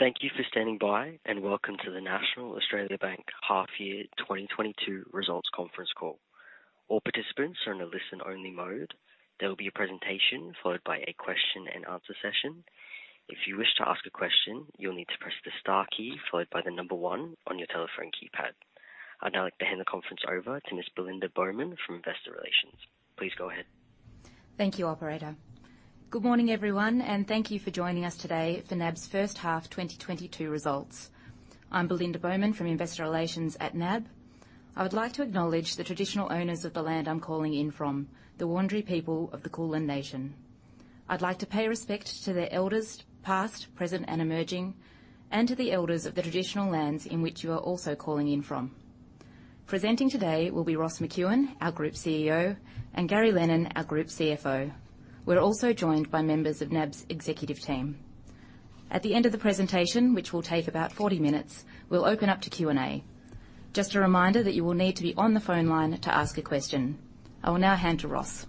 Thank you for standing by, and welcome to the National Australia Bank Half Year 2022 Results Conference Call. All participants are in a listen-only mode. There will be a presentation followed by a question-and-answer session. If you wish to ask a question, you'll need to press the star key followed by the number one on your telephone keypad. I'd now like to hand the conference over to Ms. Belinda Bowman from Investor Relations. Please go ahead. Thank you, operator. Good morning, everyone, and thank you for joining us today for NAB's first half 2022 results. I'm Belinda Bowman from Investor Relations at NAB. I would like to acknowledge the traditional owners of the land I'm calling in from, the Wurundjeri people of the Kulin nation. I'd like to pay respect to their elders, past, present, and emerging, and to the elders of the traditional lands in which you are also calling in from. Presenting today will be Ross McEwan, our Group CEO, and Gary Lennon, our Group CFO. We're also joined by members of NAB's executive team. At the end of the presentation, which will take about 40 minutes, we'll open up to Q&A. Just a reminder that you will need to be on the phone line to ask a question. I will now hand to Ross.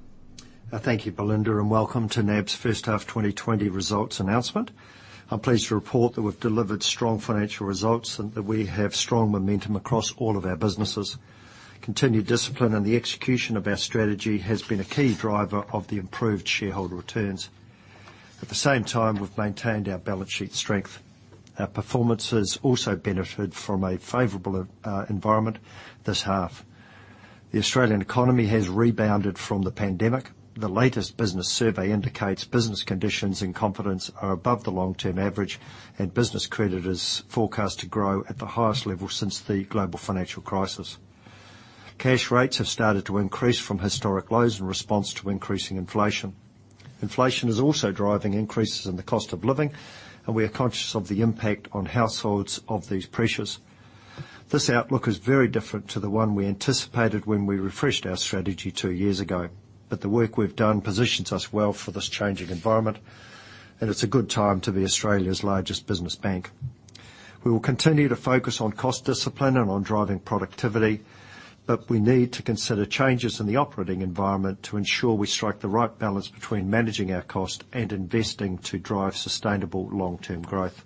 Thank you, Belinda, and welcome to NAB's first half 2020 results announcement. I'm pleased to report that we've delivered strong financial results and that we have strong momentum across all of our businesses. Continued discipline and the execution of our strategy has been a key driver of the improved shareholder returns. At the same time, we've maintained our balance sheet strength. Our performance has also benefited from a favorable environment this half. The Australian economy has rebounded from the pandemic. The latest business survey indicates business conditions and confidence are above the long-term average, and business credit is forecast to grow at the highest level since the global financial crisis. Cash rates have started to increase from historic lows in response to increasing inflation. Inflation is also driving increases in the cost of living, and we are conscious of the impact on households of these pressures. This outlook is very different to the one we anticipated when we refreshed our strategy two years ago. The work we've done positions us well for this changing environment, and it's a good time to be Australia's largest business bank. We will continue to focus on cost discipline and on driving productivity, but we need to consider changes in the operating environment to ensure we strike the right balance between managing our cost and investing to drive sustainable long-term growth.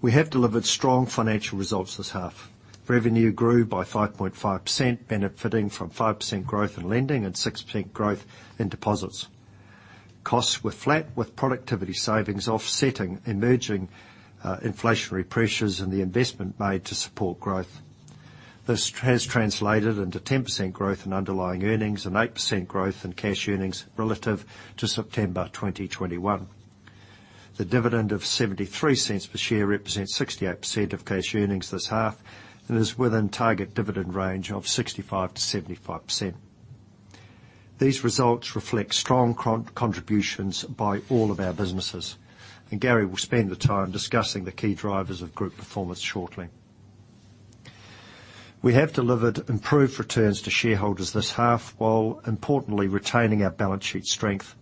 We have delivered strong financial results this half. Revenue grew by 5.5%, benefiting from 5% growth in lending and 6% growth in deposits. Costs were flat, with productivity savings offsetting emerging inflationary pressures and the investment made to support growth. This has translated into 10% growth in underlying earnings and 8% growth in cash earnings relative to September 2021. The dividend of 0.73 per share represents 68% of cash earnings this half and is within target dividend range of 65%-75%. These results reflect strong contributions by all of our businesses, and Gary will spend the time discussing the key drivers of group performance shortly. We have delivered improved returns to shareholders this half while importantly retaining our balance sheet strength.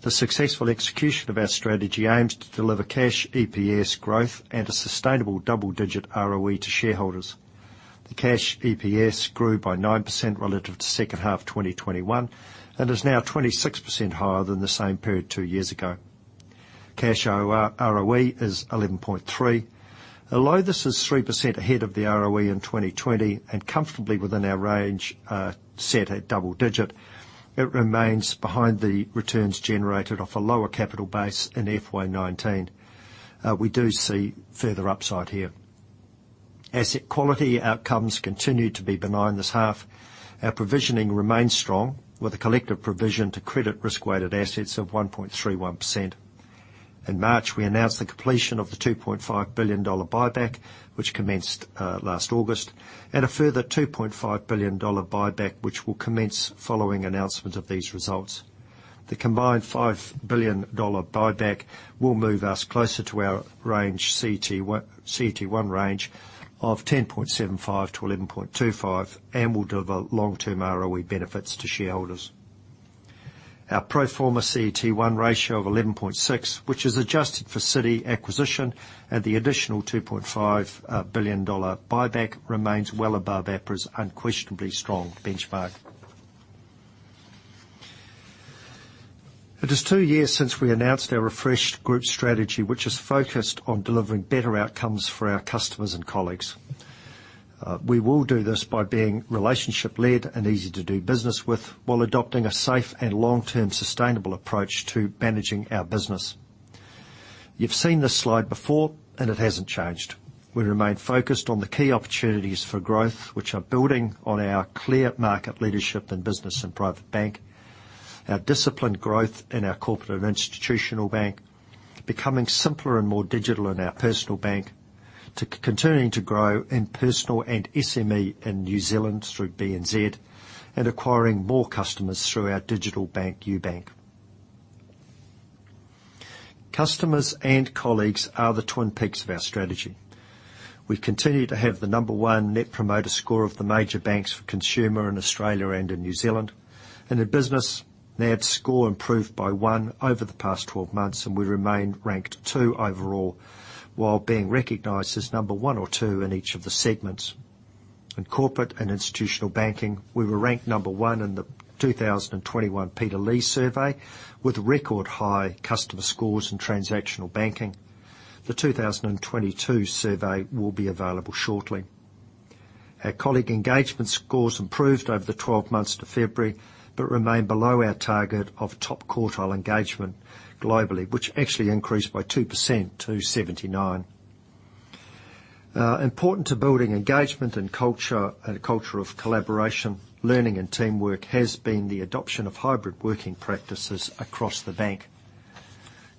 The successful execution of our strategy aims to deliver cash EPS growth and a sustainable double-digit ROE to shareholders. The cash EPS grew by 9% relative to second half 2021 and is now 26% higher than the same period two years ago. Cash ROE is 11.3%. Although this is 3% ahead of the ROE in 2020 and comfortably within our range, set at double-digit, it remains behind the returns generated off a lower capital base in FY 2019. We do see further upside here. Asset quality outcomes continued to be benign this half. Our provisioning remains strong, with a collective provision to credit risk-weighted assets of 1.31%. In March, we announced the completion of the 2.5 billion dollar buyback, which commenced last August, and a further 2.5 billion dollar buyback, which will commence following announcement of these results. The combined 5 billion dollar buyback will move us closer to our CET1 range of 10.75%-11.25% and will deliver long-term ROE benefits to shareholders. Our pro forma CET1 ratio of 11.6, which is adjusted for Citi acquisition and the additional 2.5 billion dollar buyback, remains well above APRA's unquestionably strong benchmark. It is two years since we announced our refreshed group strategy, which is focused on delivering better outcomes for our customers and colleagues. We will do this by being relationship-led and easy to do business with while adopting a safe and long-term sustainable approach to managing our business. You've seen this slide before, and it hasn't changed. We remain focused on the key opportunities for growth, which are building on our clear market leadership in Business and Private Banking, our disciplined growth in our Corporate and Institutional Banking, becoming simpler and more digital in our Personal Banking, to continuing to grow in personal and SME in New Zealand through BNZ, and acquiring more customers through our digital bank, UBank. Customers and colleagues are the twin peaks of our strategy. We continue to have the number one Net Promoter Score of the major banks for consumer in Australia and in New Zealand. In business, NAB's score improved by one over the past 12 months, and we remain ranked two overall, while being recognized as number one or two in each of the segments. In corporate and institutional banking, we were ranked number one in the 2021 Peter Lee Survey with record high customer scores in transactional banking. The 2022 survey will be available shortly. Our colleague engagement scores improved over the 12 months to February, but remain below our target of top quartile engagement globally, which actually increased by 2% to 79. Important to building engagement and culture, and a culture of collaboration, learning, and teamwork has been the adoption of hybrid working practices across the bank.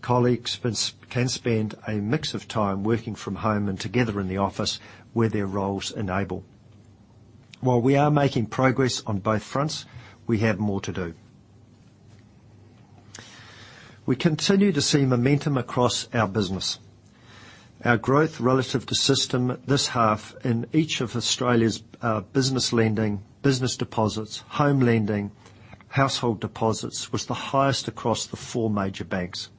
Colleagues can spend a mix of time working from home and together in the office where their roles enable. While we are making progress on both fronts, we have more to do. We continue to see momentum across our business. Our growth relative to system this half in each of Australia's business lending, business deposits, home lending, household deposits was the highest across the four major banks.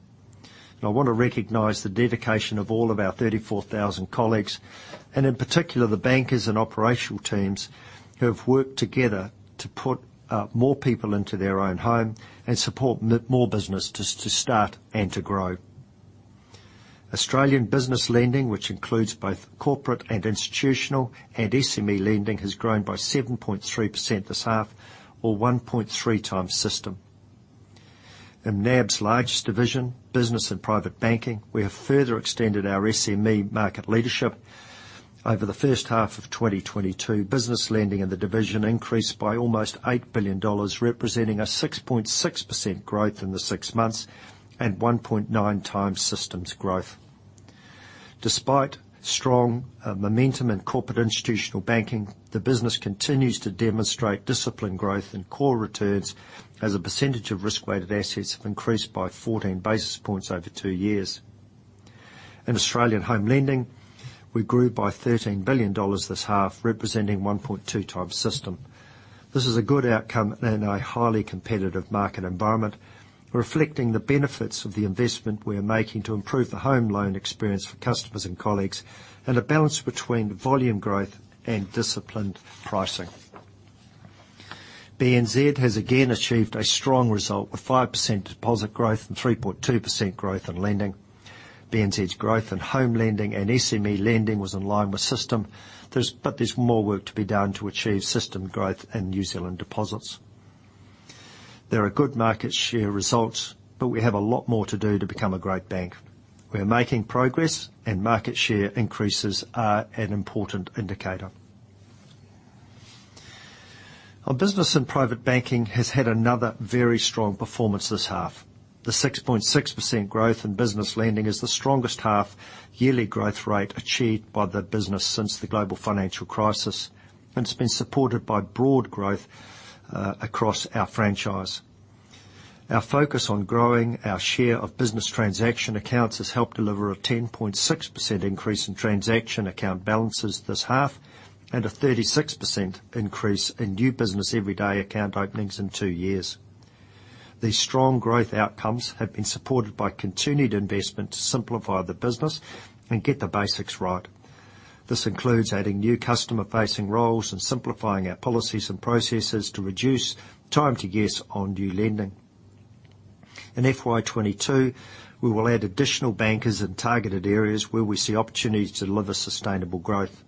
I want to recognize the dedication of all of our 34,000 colleagues, and in particular, the bankers and operational teams who have worked together to put more people into their own home and support more business to start and to grow. Australian business lending, which includes both corporate and institutional and SME lending, has grown by 7.3% this half or 1.3x system. In NAB's largest division, Business and Private Banking, we have further extended our SME market leadership. Over the first half of 2022, business lending in the division increased by almost AUD 8 billion, representing a 6.6% growth in the six months and 1.9x system growth. Despite strong momentum in corporate institutional banking, the business continues to demonstrate disciplined growth in core returns as a percentage of risk-weighted assets have increased by 14 basis points over two years. In Australian home lending, we grew by AUD 13 billion this half, representing 1.2x system. This is a good outcome in a highly competitive market environment, reflecting the benefits of the investment we are making to improve the home loan experience for customers and colleagues, and a balance between volume growth and disciplined pricing. BNZ has again achieved a strong result with 5% deposit growth and 3.2% growth in lending. BNZ's growth in home lending and SME lending was in line with system. But there's more work to be done to achieve system growth in New Zealand deposits. There are good market share results, but we have a lot more to do to become a great bank. We are making progress and market share increases are an important indicator. Our Business and Private Banking has had another very strong performance this half. The 6.6% growth in business lending is the strongest half-yearly growth rate achieved by the business since the global financial crisis. It's been supported by broad growth across our franchise. Our focus on growing our share of business transaction accounts has helped deliver a 10.6% increase in transaction account balances this half, and a 36% increase in new business every day account openings in two years. These strong growth outcomes have been supported by continued investment to simplify the business and get the basics right. This includes adding new customer-facing roles and simplifying our policies and processes to reduce time to yes on new lending. In FY 2022, we will add additional bankers in targeted areas where we see opportunities to deliver sustainable growth.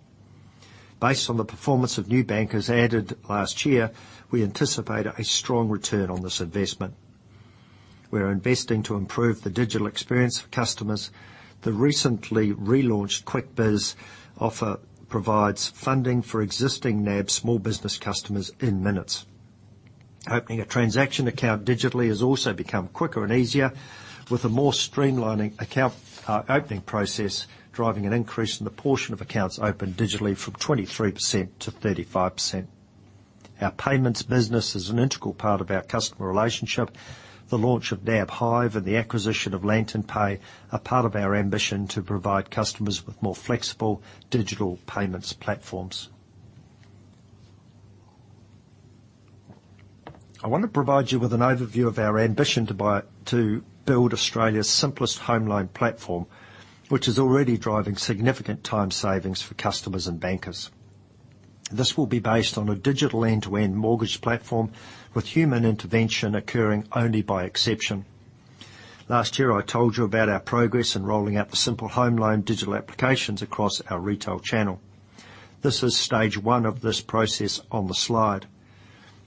Based on the performance of new bankers added last year, we anticipate a strong return on this investment. We are investing to improve the digital experience for customers. The recently relaunched QuickBiz offer provides funding for existing NAB small business customers in minutes. Opening a transaction account digitally has also become quicker and easier, with a more streamlined account opening process driving an increase in the portion of accounts opened digitally from 23% to 35%. Our payments business is an integral part of our customer relationship. The launch of NAB Hive and the acquisition of LanternPay are part of our ambition to provide customers with more flexible digital payments platforms. I want to provide you with an overview of our ambition to build Australia's simplest home loan platform, which is already driving significant time savings for customers and bankers. This will be based on a digital end-to-end mortgage platform with human intervention occurring only by exception. Last year, I told you about our progress in rolling out the simple home loan digital applications across our retail channel. This is stage one of this process on the slide.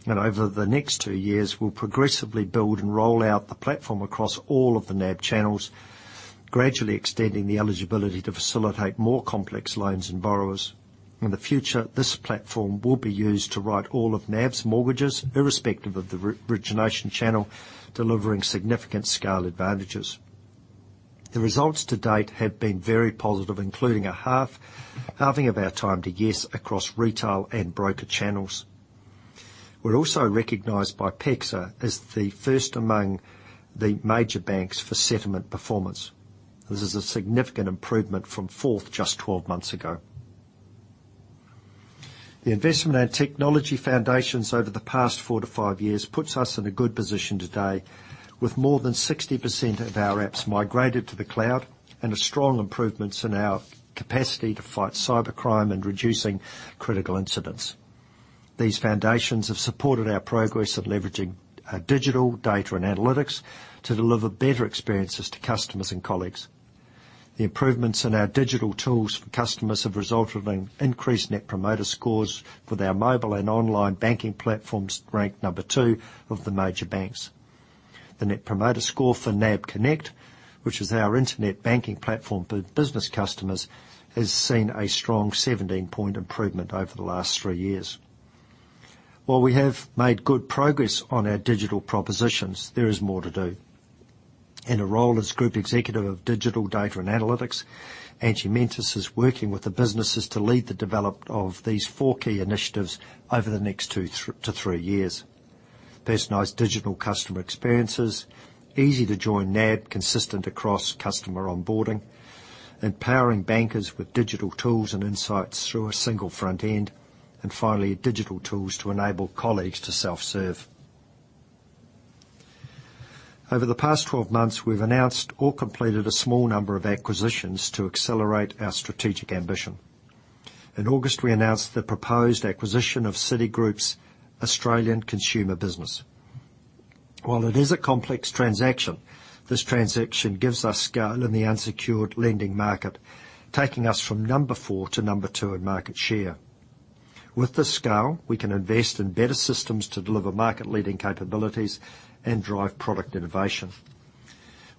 Over the next two years, we'll progressively build and roll out the platform across all of the NAB channels, gradually extending the eligibility to facilitate more complex loans and borrowers. In the future, this platform will be used to write all of NAB's mortgages, irrespective of the re-origination channel, delivering significant scale advantages. The results to date have been very positive, including a half-halving of our time to yes across retail and broker channels. We're also recognized by PEXA as the first among the major banks for settlement performance. This is a significant improvement from fourth just 12 months ago. The investment and technology foundations over the past four to five years puts us in a good position today, with more than 60% of our apps migrated to the cloud and a strong improvements in our capacity to fight cybercrime and reducing critical incidents. These foundations have supported our progress of leveraging digital data and analytics to deliver better experiences to customers and colleagues. The improvements in our digital tools for customers have resulted in increased Net Promoter Scores, with our mobile and online banking platforms ranked number two of the major banks. The Net Promoter Score for NAB Connect, which is our internet banking platform for business customers, has seen a strong 17 point improvement over the last three years. While we have made good progress on our digital propositions, there is more to do. In a role as Group Executive of Digital, Data and Analytics, Angie Mentis is working with the businesses to lead the development of these four key initiatives over the next two to three years. Personalized digital customer experiences, easy-to-join NAB consistent across customer onboarding, empowering bankers with digital tools and insights through a single front end, and finally, digital tools to enable colleagues to self-serve. Over the past 12 months, we've announced or completed a small number of acquisitions to accelerate our strategic ambition. In August, we announced the proposed acquisition of Citigroup's Australian consumer business. While it is a complex transaction, this transaction gives us scale in the unsecured lending market, taking us from number four to number two in market share. With this scale, we can invest in better systems to deliver market-leading capabilities and drive product innovation.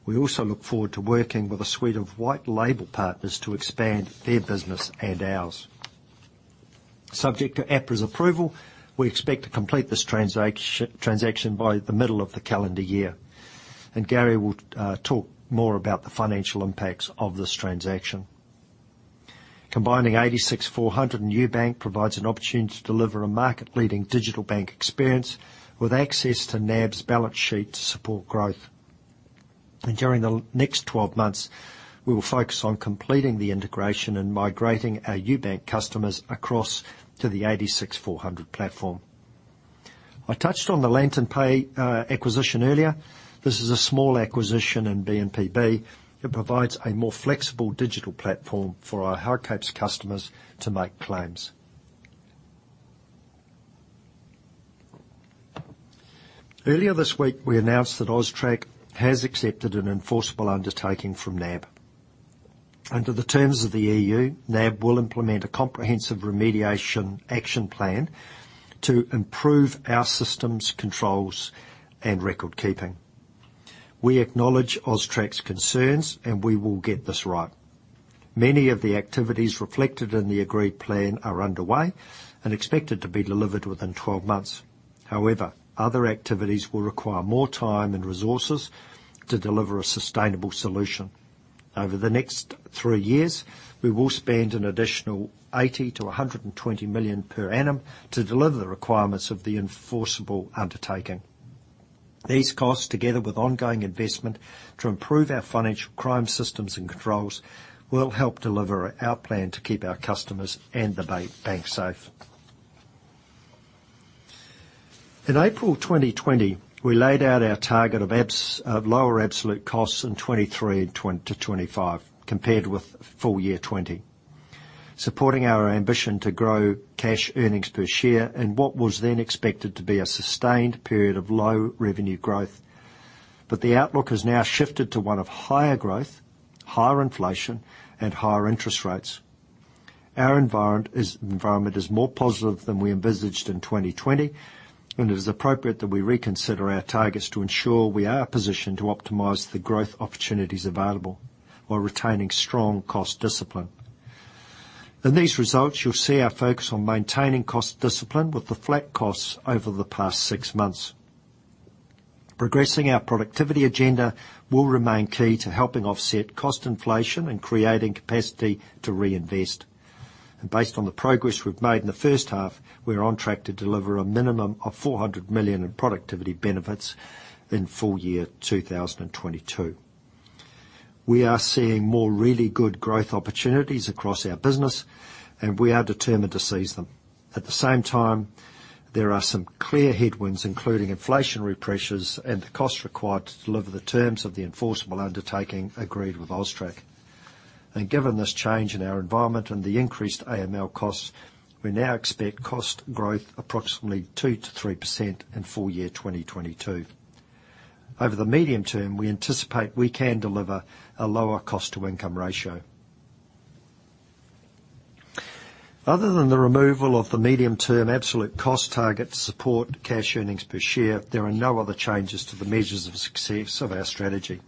We also look forward to working with a suite of white label partners to expand their business and ours. Subject to APRA's approval, we expect to complete this transaction by the middle of the calendar year. Gary will talk more about the financial impacts of this transaction. Combining 86 400 and UBank provides an opportunity to deliver a market-leading digital bank experience with access to NAB's balance sheet to support growth. During the next 12 months, we will focus on completing the integration and migrating our UBank customers across to the 86 400 platform. I touched on the LanternPay acquisition earlier. This is a small acquisition in B&PB. It provides a more flexible digital platform for our HICAPS customers to make claims. Earlier this week, we announced that AUSTRAC has accepted an enforceable undertaking from NAB. Under the terms of the EU, NAB will implement a comprehensive remediation action plan to improve our system's controls and record keeping. We acknowledge AUSTRAC's concerns, and we will get this right. Many of the activities reflected in the agreed plan are underway and expected to be delivered within 12 months. However, other activities will require more time and resources to deliver a sustainable solution. Over the next three years, we will spend an additional 80 million-120 million per annum to deliver the requirements of the enforceable undertaking. These costs, together with ongoing investment to improve our financial crime systems and controls, will help deliver our plan to keep our customers and the bank safe. In April 2020, we laid out our target of lower absolute costs in 2023-2025, compared with full year 2020, supporting our ambition to grow cash earnings per share in what was then expected to be a sustained period of low revenue growth. The outlook has now shifted to one of higher growth, higher inflation, and higher interest rates. Our environment is more positive than we envisaged in 2020, and it is appropriate that we reconsider our targets to ensure we are positioned to optimize the growth opportunities available while retaining strong cost discipline. In these results, you'll see our focus on maintaining cost discipline with the flat costs over the past six months. Progressing our productivity agenda will remain key to helping offset cost inflation and creating capacity to reinvest. Based on the progress we've made in the first half, we're on track to deliver a minimum of 400 million in productivity benefits in full year 2022. We are seeing more really good growth opportunities across our business, and we are determined to seize them. At the same time, there are some clear headwinds, including inflationary pressures and the cost required to deliver the terms of the enforceable undertaking agreed with AUSTRAC. Given this change in our environment and the increased AML costs, we now expect cost growth approximately 2%-3% in full year 2022. Over the medium term, we anticipate we can deliver a lower cost to income ratio. Other than the removal of the medium-term absolute cost target to support cash earnings per share, there are no other changes to the measures of success of our strategy.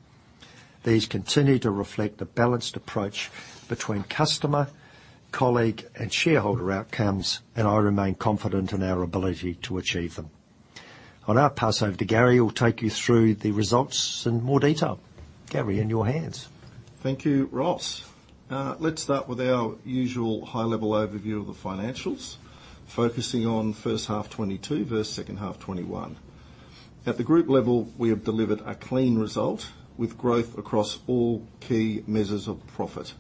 These continue to reflect the balanced approach between customer, colleague, and shareholder outcomes, and I remain confident in our ability to achieve them. I'll now pass over to Gary, who'll take you through the results in more detail. Gary, in your hands. Thank you, Ross. Let's start with our usual high-level overview of the financials, focusing on first half 2022 versus second half 2021. At the group level, we have delivered a clean result with growth across all key measures of profit.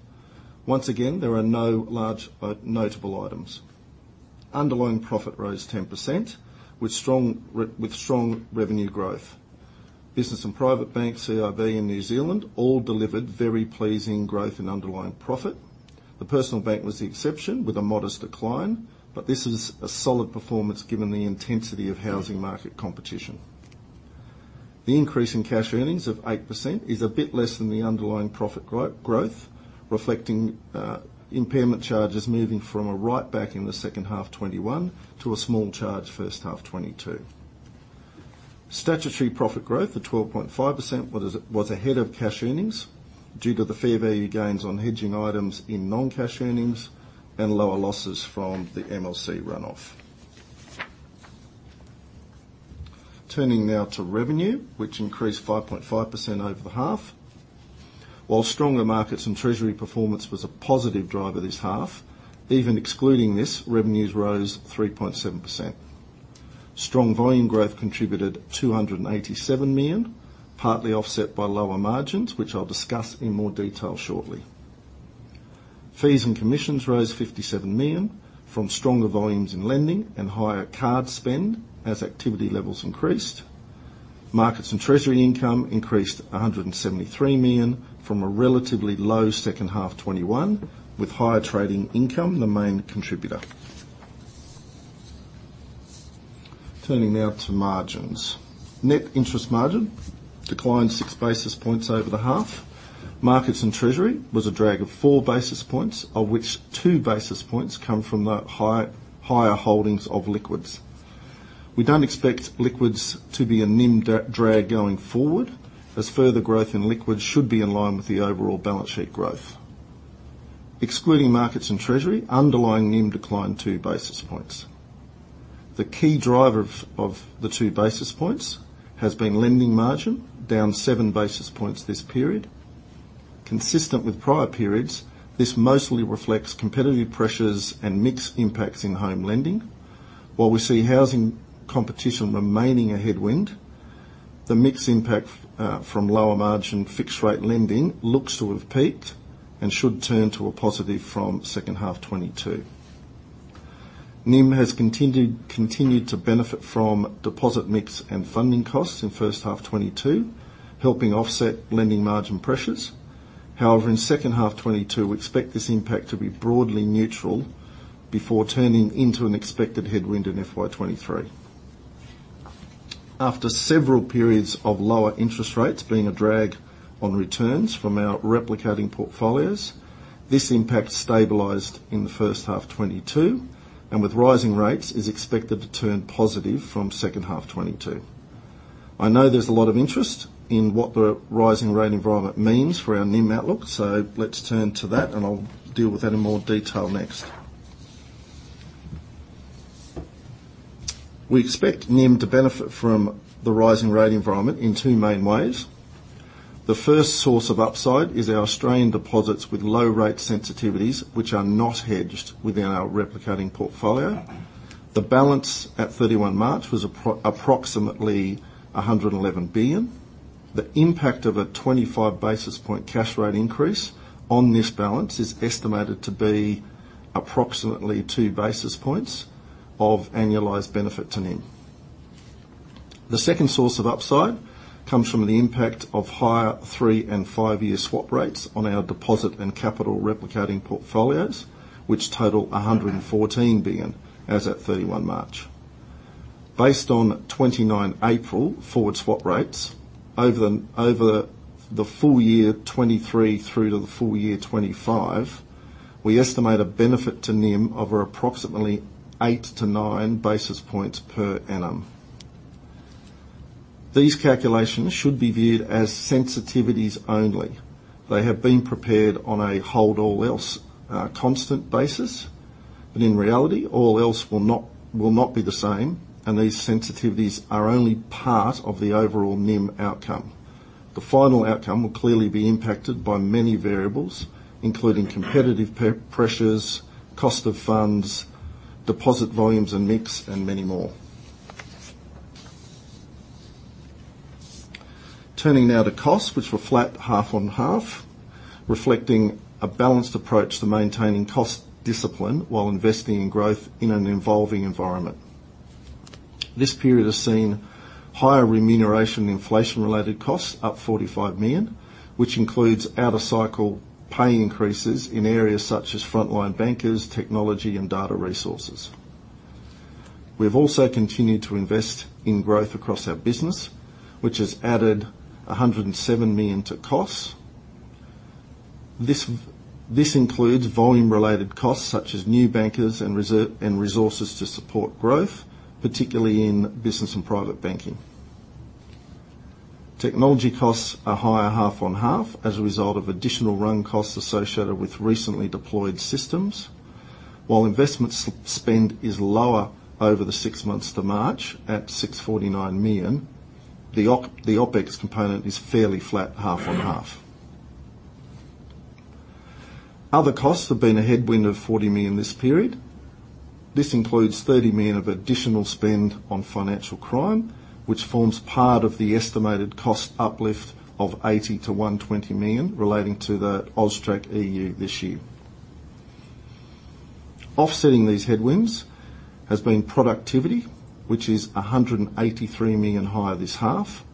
Once again, there are no large notable items. Underlying profit rose 10% with strong revenue growth. Business and private bank CIB in New Zealand all delivered very pleasing growth in underlying profit. The personal bank was the exception, with a modest decline, but this is a solid performance given the intensity of housing market competition. The increase in cash earnings of 8% is a bit less than the underlying profit growth, reflecting impairment charges moving from a write-back in the second half 2021 to a small charge first half 2022. Statutory profit growth of 12.5% was ahead of cash earnings due to the fair value gains on hedging items in non-cash earnings and lower losses from the MLC runoff. Turning now to revenue, which increased 5.5% over the half. While stronger markets and treasury performance was a positive driver this half, even excluding this, revenues rose 3.7%. Strong volume growth contributed 287 million, partly offset by lower margins, which I'll discuss in more detail shortly. Fees and commissions rose 57 million from stronger volumes in lending and higher card spend as activity levels increased. Markets and treasury income increased 173 million from a relatively low second half 2021, with higher trading income the main contributor. Turning now to margins. Net interest margin declined six basis points over the half. Markets and treasury was a drag of 4 basis points, of which 2 basis points come from the higher holdings of liquids. We don't expect liquids to be a NIM drag going forward, as further growth in liquids should be in line with the overall balance sheet growth. Excluding markets and treasury, underlying NIM declined 2 basis points. The key driver of the 2 basis points has been lending margin, down 7 basis points this period. Consistent with prior periods, this mostly reflects competitive pressures and mix impacts in home lending. While we see housing competition remaining a headwind, the mix impact from lower margin fixed rate lending looks to have peaked and should turn to a positive from second half 2022. NIM has continued to benefit from deposit mix and funding costs in first half 2022, helping offset lending margin pressures. However, in second half 2022, we expect this impact to be broadly neutral before turning into an expected headwind in FY 2023. After several periods of lower interest rates being a drag on returns from our replicating portfolios, this impact stabilized in the first half 2022, and with rising rates, is expected to turn positive from second half 2022. I know there's a lot of interest in what the rising rate environment means for our NIM outlook, so let's turn to that, and I'll deal with that in more detail next. We expect NIM to benefit from the rising rate environment in two main ways. The first source of upside is our Australian deposits with low rate sensitivities, which are not hedged within our replicating portfolio. The balance at March 31 was approximately 111 billion. The impact of a 25 basis point cash rate increase on this balance is estimated to be approximately 2 basis points of annualized benefit to NIM. The second source of upside comes from the impact of higher three and five year swap rates on our deposit and capital replicating portfolios, which total AUD 114 billion as at March 31. Based on 29 April forward swap rates, over the full year 2023 through to the full year 2025, we estimate a benefit to NIM of approximately 8-9 basis points per annum. These calculations should be viewed as sensitivities only. They have been prepared on a hold all else constant basis, but in reality, all else will not be the same, and these sensitivities are only part of the overall NIM outcome. The final outcome will clearly be impacted by many variables, including competitive pressures, cost of funds, deposit volumes and mix, and many more. Turning now to costs, which were flat half on half, reflecting a balanced approach to maintaining cost discipline while investing in growth in an evolving environment. This period has seen higher remuneration inflation-related costs, up 45 million, which includes out of cycle pay increases in areas such as frontline bankers, technology and data resources. We've also continued to invest in growth across our business, which has added 107 million to costs. This includes volume-related costs such as new bankers and resources to support growth, particularly in business and private banking. Technology costs are higher half on half as a result of additional run costs associated with recently deployed systems. While investment spend is lower over the six months to March at 649 million, the OpEx component is fairly flat half on half. Other costs have been a headwind of 40 million this period. This includes 30 million of additional spend on financial crime, which forms part of the estimated cost uplift of 80 million-120 million relating to the AUSTRAC EU this year. Offsetting these headwinds has been productivity, which is 183 million higher this half,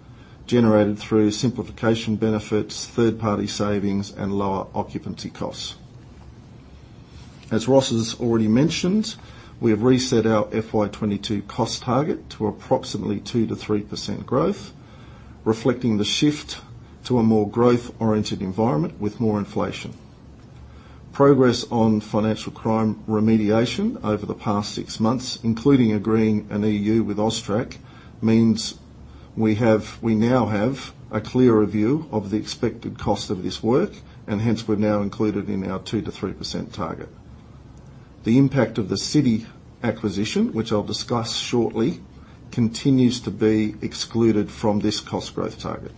generated through simplification benefits, third-party savings, and lower occupancy costs. As Ross has already mentioned, we have reset our FY 2022 cost target to approximately 2%-3% growth, reflecting the shift to a more growth-oriented environment with more inflation. Progress on financial crime remediation over the past six months, including agreeing an EU with AUSTRAC, means we now have a clearer view of the expected cost of this work, and hence we're now included in our 2%-3% target. The impact of the Citi acquisition, which I'll discuss shortly, continues to be excluded from this cost growth target.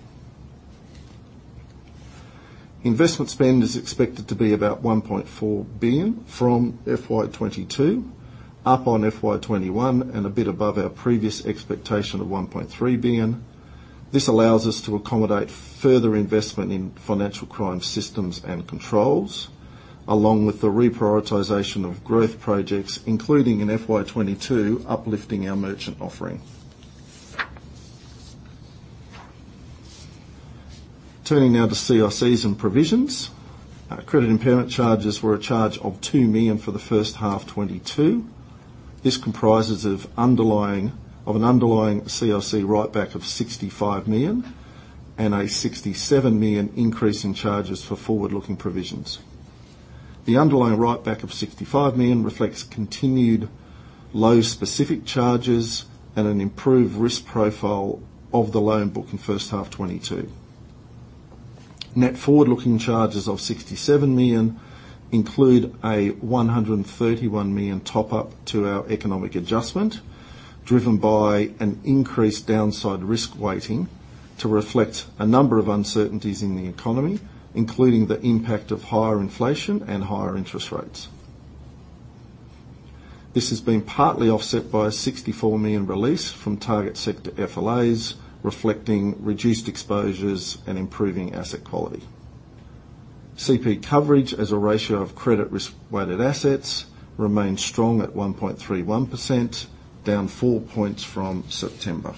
Investment spend is expected to be about AUD 1.4 billion from FY 2022, up on FY 2021, and a bit above our previous expectation of 1.3 billion. This allows us to accommodate further investment in financial crime systems and controls, along with the reprioritization of growth projects, including in FY 2022, uplifting our merchant offering. Turning now to CICs and provisions. Our credit impairment charges were a charge of 2 million for the first half 2022. This comprises of an underlying CLC write-back of 65 million and a 67 million increase in charges for forward-looking provisions. The underlying write-back of 65 million reflects continued low specific charges and an improved risk profile of the loan book in first half 2022. Net forward-looking charges of 67 million include a 131 million top-up to our economic adjustment, driven by an increased downside risk weighting to reflect a number of uncertainties in the economy, including the impact of higher inflation and higher interest rates. This has been partly offset by a 64 million release from target sector FLAs, reflecting reduced exposures and improving asset quality. CP coverage as a ratio of credit risk-weighted assets remains strong at 1.31%, down four points from September.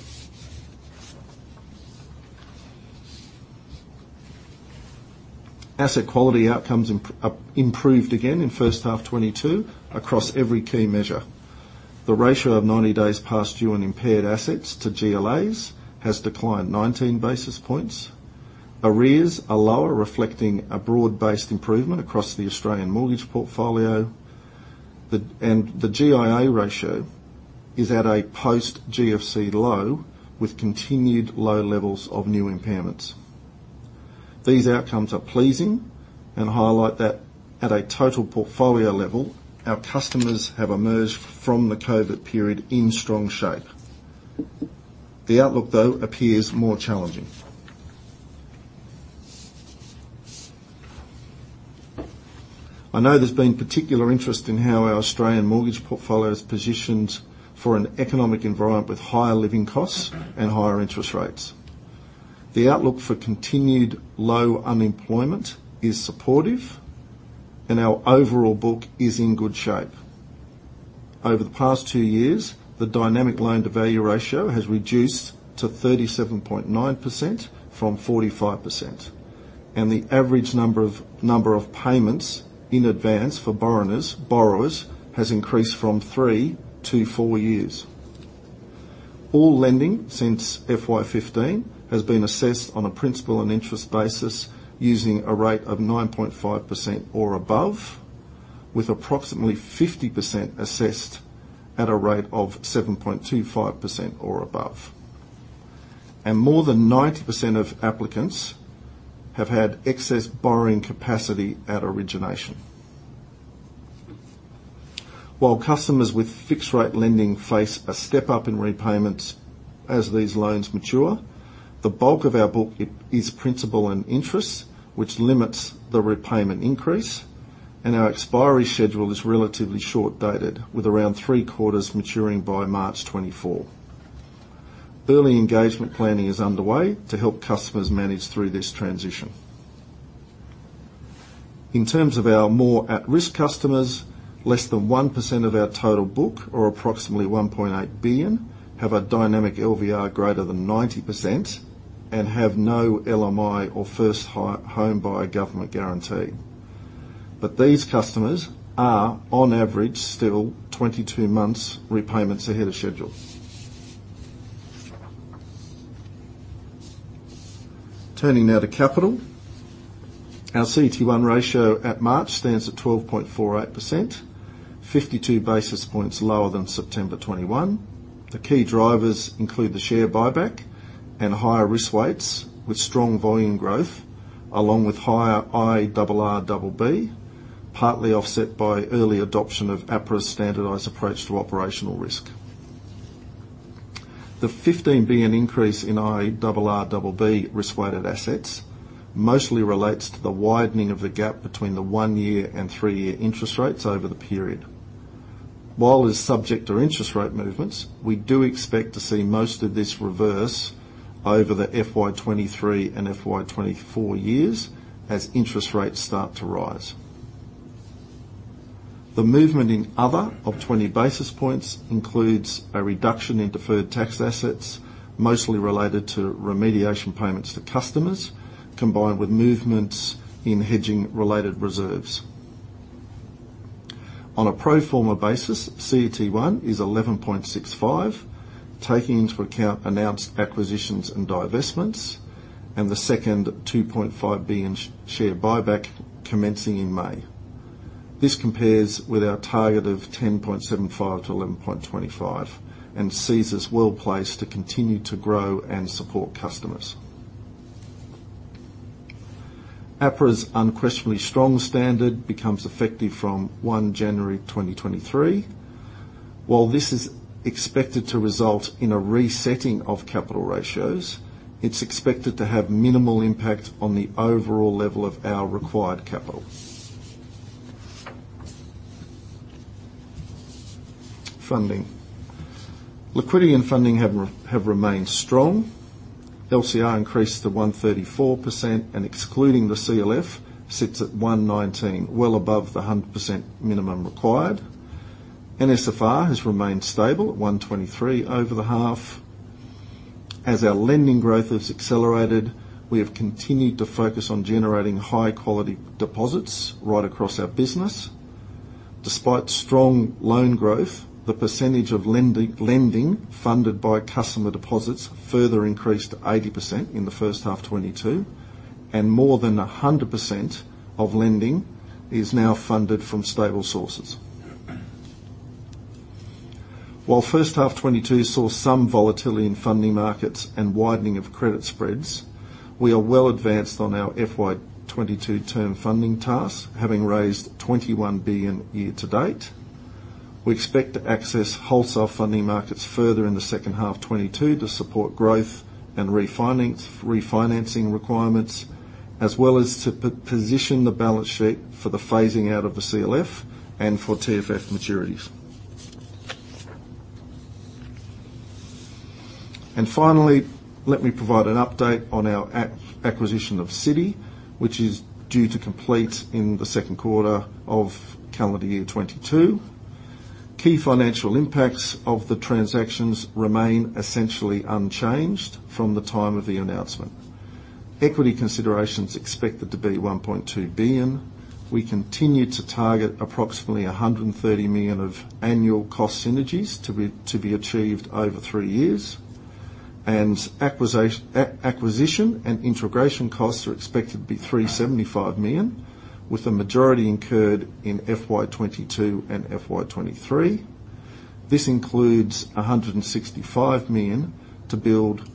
Asset quality outcomes improved again in first half 2022 across every key measure. The ratio of 90 days past due on impaired assets to GLAs has declined 19 basis points. Arrears are lower, reflecting a broad-based improvement across the Australian mortgage portfolio. The GIA ratio is at a post GFC low with continued low levels of new impairments. These outcomes are pleasing and highlight that at a total portfolio level, our customers have emerged from the COVID period in strong shape. The outlook, though, appears more challenging. I know there's been particular interest in how our Australian mortgage portfolio is positioned for an economic environment with higher living costs and higher interest rates. The outlook for continued low unemployment is supportive, and our overall book is in good shape. Over the past two years, the dynamic loan-to-value ratio has reduced to 37.9% from 45%, and the average number of payments in advance for borrowers has increased from three to four years. All lending since FY 2015 has been assessed on a principal and interest basis using a rate of 9.5% or above, with approximately 50% assessed at a rate of 7.25% or above. More than 90% of applicants have had excess borrowing capacity at origination. While customers with fixed rate lending face a step-up in repayments as these loans mature, the bulk of our book is principal and interest, which limits the repayment increase, and our expiry schedule is relatively short-dated, with around three quarters maturing by March 2024. Early engagement planning is underway to help customers manage through this transition. In terms of our more at-risk customers, less than 1% of our total book, or approximately 1.8 billion, have a dynamic LVR greater than 90% and have no LMI or first home buyer government guarantee. These customers are, on average, still 22 months repayments ahead of schedule. Turning now to capital. Our CET1 ratio at March stands at 12.48%, 52 basis points lower than September 2021. The key drivers include the share buyback and higher risk weights with strong volume growth, along with higher IRRBB, partly offset by early adoption of APRA's standardized approach to operational risk. The 15 billion increase in IRRBB risk-weighted assets mostly relates to the widening of the gap between the one-year and three-year interest rates over the period. While it's subject to interest rate movements, we do expect to see most of this reverse over the FY 2023 and FY 2024 years as interest rates start to rise. The other movement of 20 basis points includes a reduction in deferred tax assets, mostly related to remediation payments to customers, combined with movements in hedging-related reserves. On a pro forma basis, CET1 is 11.65%, taking into account announced acquisitions and divestments, and the second 2.5 billion share buyback commencing in May. This compares with our target of 10.75%-11.25%, and sees us well-placed to continue to grow and support customers. APRA's unquestionably strong standard becomes effective from January 1 2023. While this is expected to result in a resetting of capital ratios, it's expected to have minimal impact on the overall level of our required capital. Funding, liquidity and funding have remained strong. LCR increased to 134%, and excluding the CLF, sits at 119%, well above the 100% minimum required. NSFR has remained stable at 123% over the half. As our lending growth has accelerated, we have continued to focus on generating high quality deposits right across our business. Despite strong loan growth, the percentage of lending funded by customer deposits further increased to 80% in the first half 2022, and more than 100% of lending is now funded from stable sources. While first half 2022 saw some volatility in funding markets and widening of credit spreads, we are well advanced on our FY 2022 term funding tasks, having raised 21 billion year to date. We expect to access wholesale funding markets further in the second half 2022 to support growth and refinancing requirements, as well as to position the balance sheet for the phasing out of the CLF and for TFF maturities. Finally, let me provide an update on our acquisition of Citi, which is due to complete in the Q2 of calendar year 2022. Key financial impacts of the transactions remain essentially unchanged from the time of the announcement. Equity consideration is expected to be 1.2 billion. We continue to target approximately 130 million of annual cost synergies to be achieved over three years. Acquisition and integration costs are expected to be 375 million, with the majority incurred in FY 2022 and FY 2023. This includes 165 million to build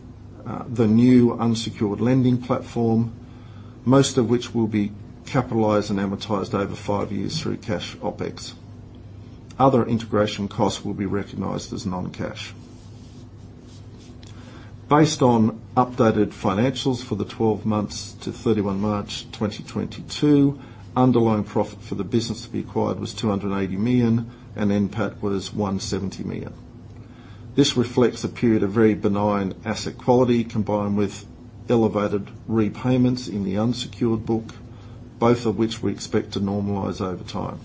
the new unsecured lending platform, most of which will be capitalized and amortized over five years through cash OpEx. Other integration costs will be recognized as non-cash. Based on updated financials for the 12 months to 31 March 2022, underlying profit for the business to be acquired was 280 million, and NPAT was 170 million. This reflects a period of very benign asset quality, combined with elevated repayments in the unsecured book, both of which we expect to normalize over time.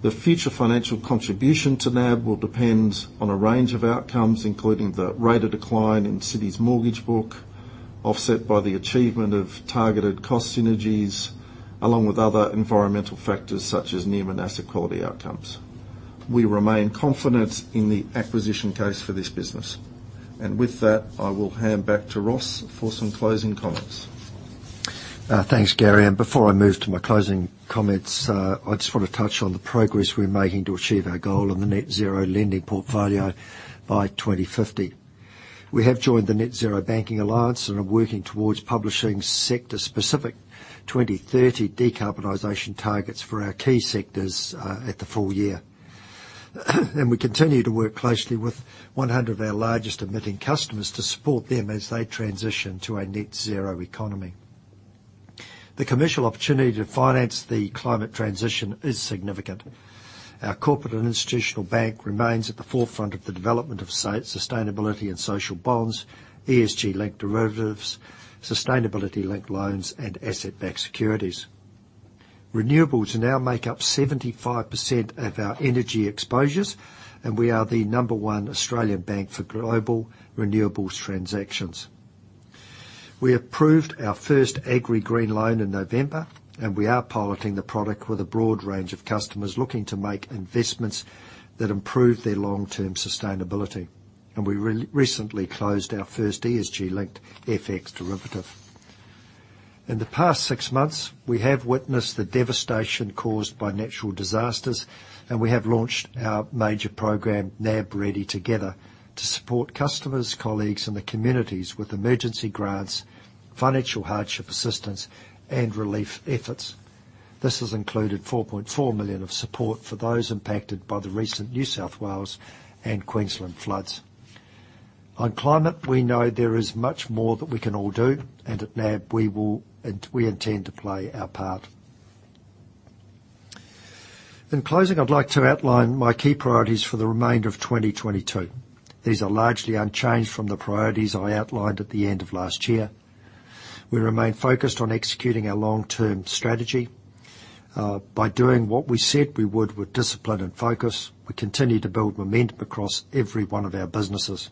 The future financial contribution to NAB will depend on a range of outcomes, including the rate of decline in Citi's mortgage book, offset by the achievement of targeted cost synergies, along with other environmental factors such as near-miss asset quality outcomes. We remain confident in the acquisition case for this business. With that, I will hand back to Ross for some closing comments. Thanks, Gary. Before I move to my closing comments, I just wanna touch on the progress we're making to achieve our goal on the net zero lending portfolio by 2050. We have joined the Net-Zero Banking Alliance and are working towards publishing sector-specific 2030 decarbonization targets for our key sectors at the full year. We continue to work closely with 100 of our largest emitting customers to support them as they transition to a net zero economy. The commercial opportunity to finance the climate transition is significant. Our corporate and institutional bank remains at the forefront of the development of sustainability and social bonds, ESG-linked derivatives, sustainability linked loans, and asset-backed securities. Renewables now make up 75% of our energy exposures, and we are the number one Australian bank for global renewables transactions. We approved our first agri green loan in November, and we are piloting the product with a broad range of customers looking to make investments that improve their long-term sustainability. We recently closed our first ESG linked FX derivative. In the past six months, we have witnessed the devastation caused by natural disasters, and we have launched our major program, NAB Ready Together, to support customers, colleagues, and the communities with emergency grants, financial hardship assistance, and relief efforts. This has included 4.4 million of support for those impacted by the recent New South Wales and Queensland floods. On climate, we know there is much more that we can all do, and at NAB, we intend to play our part. In closing, I'd like to outline my key priorities for the remainder of 2022. These are largely unchanged from the priorities I outlined at the end of last year. We remain focused on executing our long-term strategy. By doing what we said we would with discipline and focus, we continue to build momentum across every one of our businesses.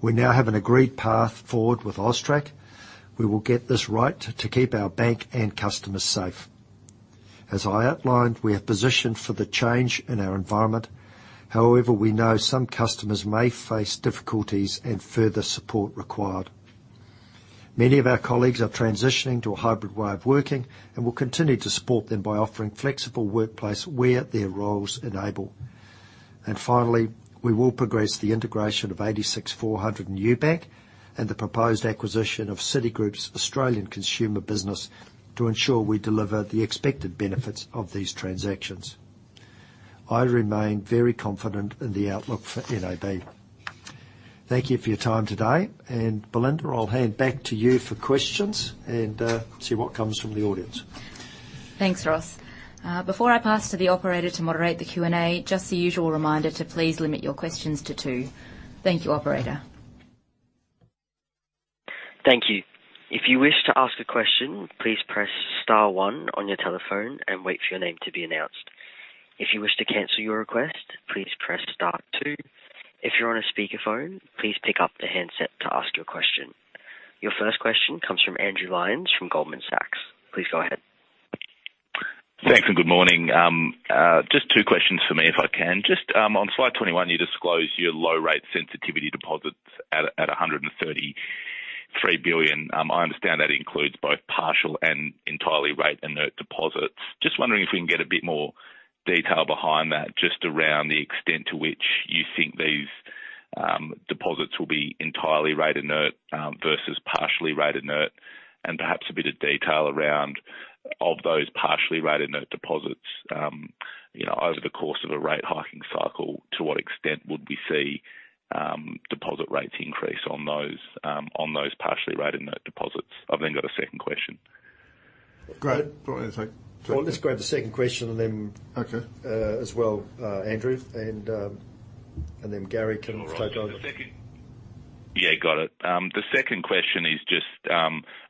We now have an agreed path forward with AUSTRAC. We will get this right to keep our bank and customers safe. As I outlined, we are positioned for the change in our environment. However, we know some customers may face difficulties and further support required. Many of our colleagues are transitioning to a hybrid way of working, and we'll continue to support them by offering flexible workplace where their roles enable. Finally, we will progress the integration of 86 400 in UBank and the proposed acquisition of Citigroup's Australian consumer business to ensure we deliver the expected benefits of these transactions. I remain very confident in the outlook for NAB. Thank you for your time today. Belinda, I'll hand back to you for questions and see what comes from the audience. Thanks, Ross. Before I pass to the operator to moderate the Q&A, just the usual reminder to please limit your questions to two. Thank you, operator. Thank you. If you wish to ask a question, please press star one on your telephone and wait for your name to be announced. If you wish to cancel your request, please press star two. If you're on a speakerphone, please pick up the handset to ask your question. Your first question comes from Andrew Lyons from Goldman Sachs. Please go ahead. Thanks, good morning. Just two questions for me, if I can. Just on slide 21, you disclose your low rate sensitivity deposits at 133 billion. I understand that includes both partially and entirely rate-insensitive deposits. Just wondering if we can get a bit more detail behind that, just around the extent to which you think these deposits will be entirely rate insensitive versus partially rate insensitive, and perhaps a bit of detail around those partially rate insensitive deposits. You know, over the course of a rate hiking cycle, to what extent would we see deposit rates increase on those partially rate insensitive deposits? I've then got a second question. Great. Go on, then. Well, let's grab the second question and then. Okay. As well, Andrew, and then Gary can touch on Yeah, got it. The second question is just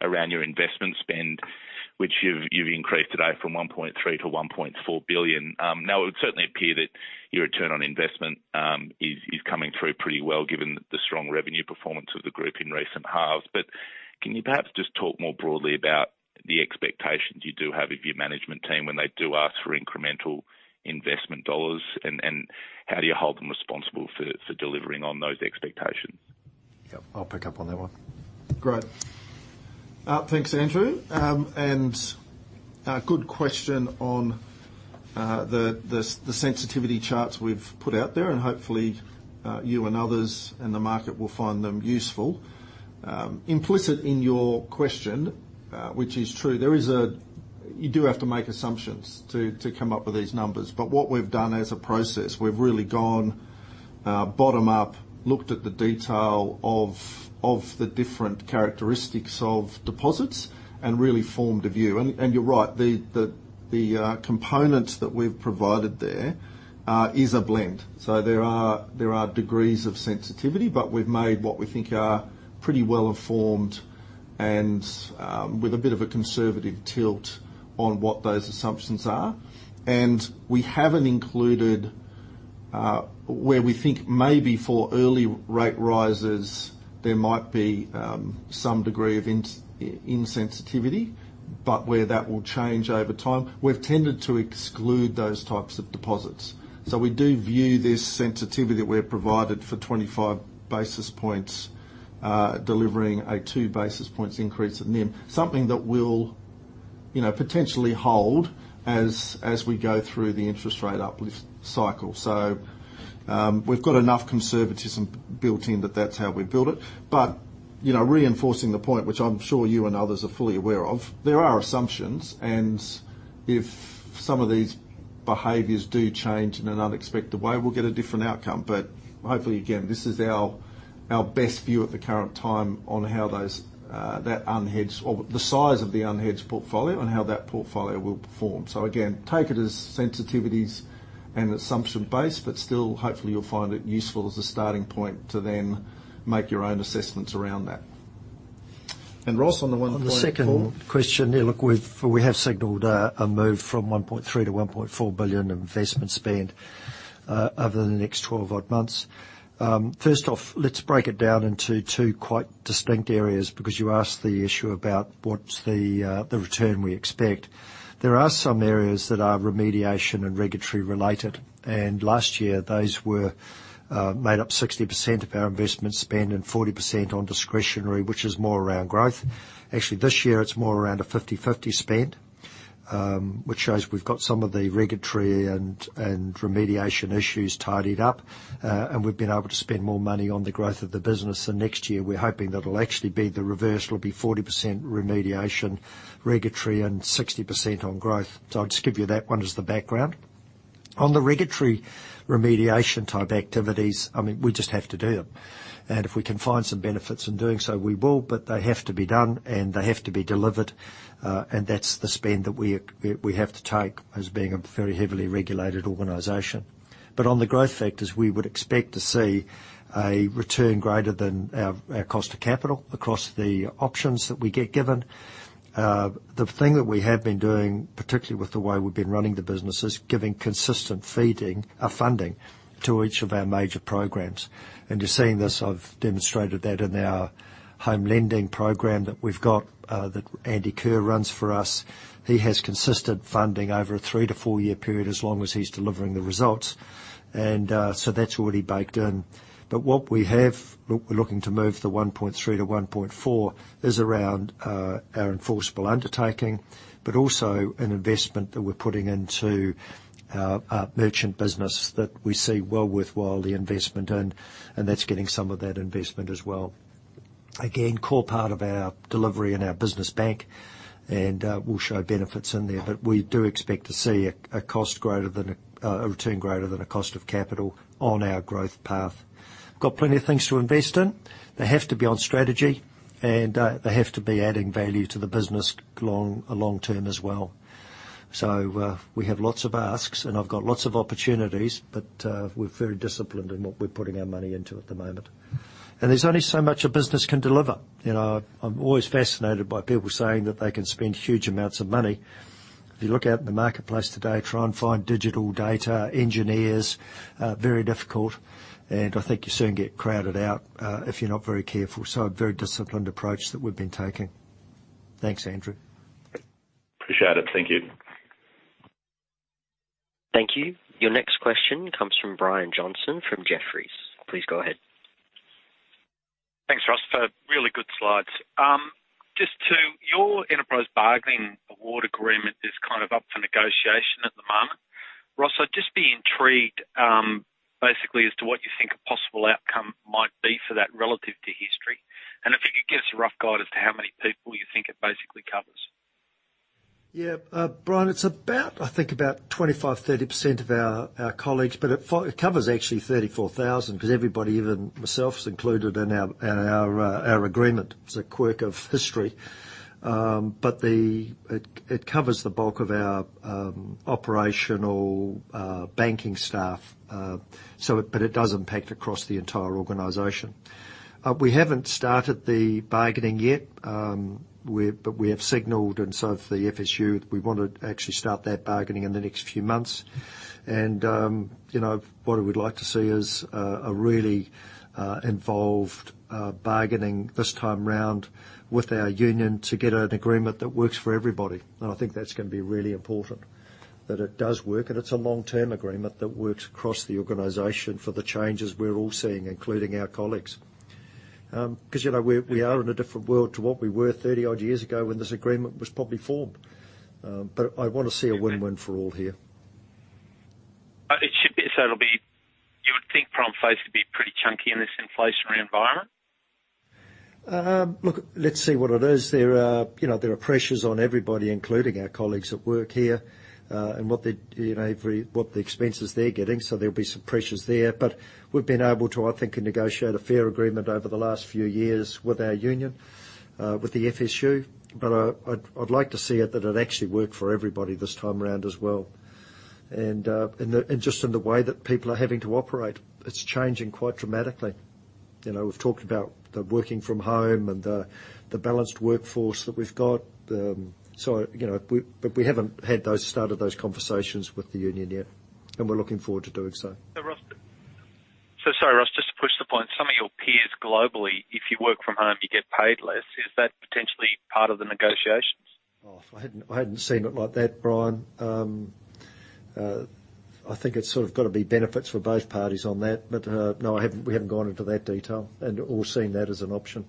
around your investment spend, which you've increased today from 1.3 billion-1.4 billion. Now it would certainly appear that your return on investment is coming through pretty well given the strong revenue performance of the group in recent halves. Can you perhaps just talk more broadly about the expectations you do have of your management team when they do ask for incremental investment dollars, and how do you hold them responsible for delivering on those expectations? Yeah, I'll pick up on that one. Great. Thanks, Andrew. Good question on the sensitivity charts we've put out there, and hopefully you and others in the market will find them useful. Implicit in your question, which is true, there is a. You do have to make assumptions to come up with these numbers. What we've done as a process, we've really gone bottom-up, looked at the detail of the different characteristics of deposits and really formed a view. You're right, the components that we've provided there is a blend. There are degrees of sensitivity, but we've made what we think are pretty well informed and with a bit of a conservative tilt on what those assumptions are. We haven't included where we think maybe for early rate rises there might be some degree of insensitivity, but where that will change over time. We've tended to exclude those types of deposits. We do view this sensitivity that we're provided for 25 basis points delivering a two basis points increase in NIM, something that will, you know, potentially hold as we go through the interest rate uplift cycle. We've got enough conservatism built in that that's how we built it. You know, reinforcing the point, which I'm sure you and others are fully aware of, there are assumptions, and if some of these behaviors do change in an unexpected way, we'll get a different outcome. Hopefully, again, this is our best view at the current time on how those, that unhedged or the size of the unhedged portfolio and how that portfolio will perform. Again, take it as sensitivities and assumption base, but still, hopefully, you'll find it useful as a starting point to then make your own assessments around that. Ross, on the 1.4. On the second question, we have signaled a move from 1.3 billion to 1.4 billion investment spend over the next 12 odd months. First off, let's break it down into two quite distinct areas because you asked the issue about what's the return we expect. There are some areas that are remediation and regulatory related, and last year, those were made up 60% of our investment spend and 40% on discretionary, which is more around growth. Actually, this year, it's more around a 50/50 spend, which shows we've got some of the regulatory and remediation issues tidied up, and we've been able to spend more money on the growth of the business. Next year, we're hoping that it'll actually be the reverse. It'll be 40% remediation, regulatory, and 60% on growth. I'll just give you that one as the background. On the regulatory remediation type activities, I mean, we just have to do them. If we can find some benefits in doing so, we will. They have to be done and they have to be delivered. That's the spend that we have to take as being a very heavily regulated organization. On the growth factors, we would expect to see a return greater than our cost of capital across the options that we get given. The thing that we have been doing, particularly with the way we've been running the business, is giving consistent funding to each of our major programs. You're seeing this. I've demonstrated that in our home lending program that we've got, that Andy Kerr runs for us. He has consistent funding over a three to four year period as long as he's delivering the results. That's already baked in. What we have is around our enforceable undertaking, but also an investment that we're putting into our merchant business that we see well worthwhile the investment. That's getting some of that investment as well. Again, core part of our delivery in our business bank, and we'll show benefits in there. We do expect to see a return greater than a cost of capital on our growth path. Got plenty of things to invest in. They have to be on strategy, and they have to be adding value to the business long-term as well. We have lots of asks, and I've got lots of opportunities, but we're very disciplined in what we're putting our money into at the moment. There's only so much a business can deliver. You know, I'm always fascinated by people saying that they can spend huge amounts of money. If you look out in the marketplace today, try and find digital data engineers, very difficult. I think you soon get crowded out if you're not very careful. A very disciplined approach that we've been taking. Thanks, Andrew. Appreciate it. Thank you. Thank you. Your next question comes from Brian Johnson from Jefferies. Please go ahead. Thanks, Ross, for really good slides. Just to your enterprise bargaining award agreement is kind of up for negotiation at the moment. Ross, I'd just be intrigued, basically as to what you think a possible outcome might be for that relative to history. If you could give us a rough guide as to how many people you think it basically covers. Yeah. Brian, it's about, I think, 25%, 30% of our colleagues, but it covers actually 34,000, 'cause everybody, even myself, is included in our agreement. It's a quirk of history. It covers the bulk of our operational banking staff. It does impact across the entire organization. We haven't started the bargaining yet. We have signaled and so has the FSU that we want to actually start that bargaining in the next few months. You know, what we would like to see is a really involved bargaining this time round with our union to get an agreement that works for everybody. I think that's gonna be really important, that it does work, and it's a long-term agreement that works across the organization for the changes we're all seeing, including our colleagues. 'Cause, you know, we are in a different world to what we were 30 odd years ago when this agreement was probably formed. But I wanna see a win-win for all here. You would think front face would be pretty chunky in this inflationary environment? Look, let's see what it is. There are, you know, pressures on everybody, including our colleagues that work here, and what the expenses they're getting. There'll be some pressures there. We've been able to, I think, can negotiate a fair agreement over the last few years with our union, with the FSU. I'd like to see that it'll actually work for everybody this time around as well. Just in the way that people are having to operate, it's changing quite dramatically. You know, we've talked about the working from home and the balanced workforce that we've got. We haven't started those conversations with the union yet, and we're looking forward to doing so. Ross. So sorry, Ross, just to push the point. Some of your peers globally, if you work from home, you get paid less. Is that potentially part of the negotiations? Oh, I hadn't seen it like that, Brian. I think it's sort of got to be benefits for both parties on that. No, we haven't gone into that detail and/or seen that as an option.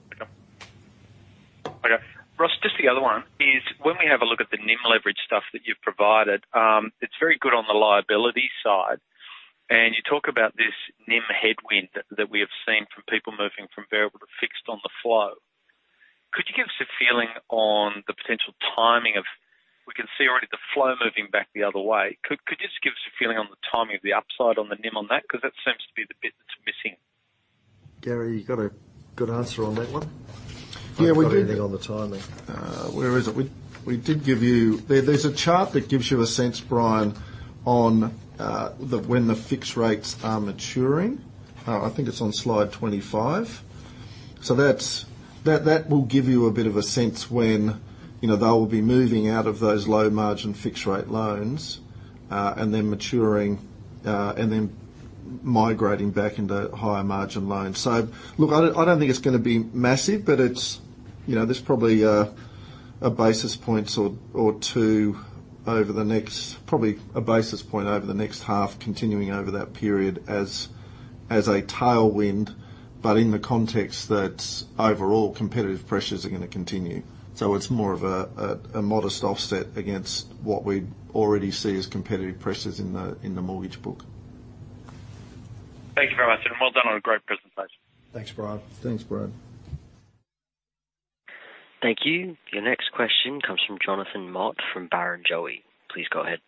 Okay. Ross, just the other one is when we have a look at the NIM leverage stuff that you've provided. It's very good on the liability side. You talk about this NIM headwind that we have seen from people moving from variable to fixed on the flow. We can see already the flow moving back the other way. Could you just give us a feeling on the timing of the upside on the NIM on that? Because that seems to be the bit that's missing. Gary, you got a good answer on that one? Yeah, we did. I've got anything on the timing. Where is it? We did give you. There's a chart that gives you a sense, Brian, on when the fixed rates are maturing. I think it's on slide 25. That will give you a bit of a sense when, you know, they'll be moving out of those low-margin fixed rate loans, and then maturing, and then migrating back into higher margin loans. Look, I don't think it's gonna be massive, but it's, you know, there's probably a basis point or two over the next half, continuing over that period as a tailwind. In the context that overall competitive pressures are gonna continue. It's more of a modest offset against what we already see as competitive pressures in the mortgage book. Thank you very much. Well done on a great presentation. Thanks, Brian. Thanks, Brian. Thank you. Your next question comes from Jonathan Mott from Barrenjoey. Please go ahead.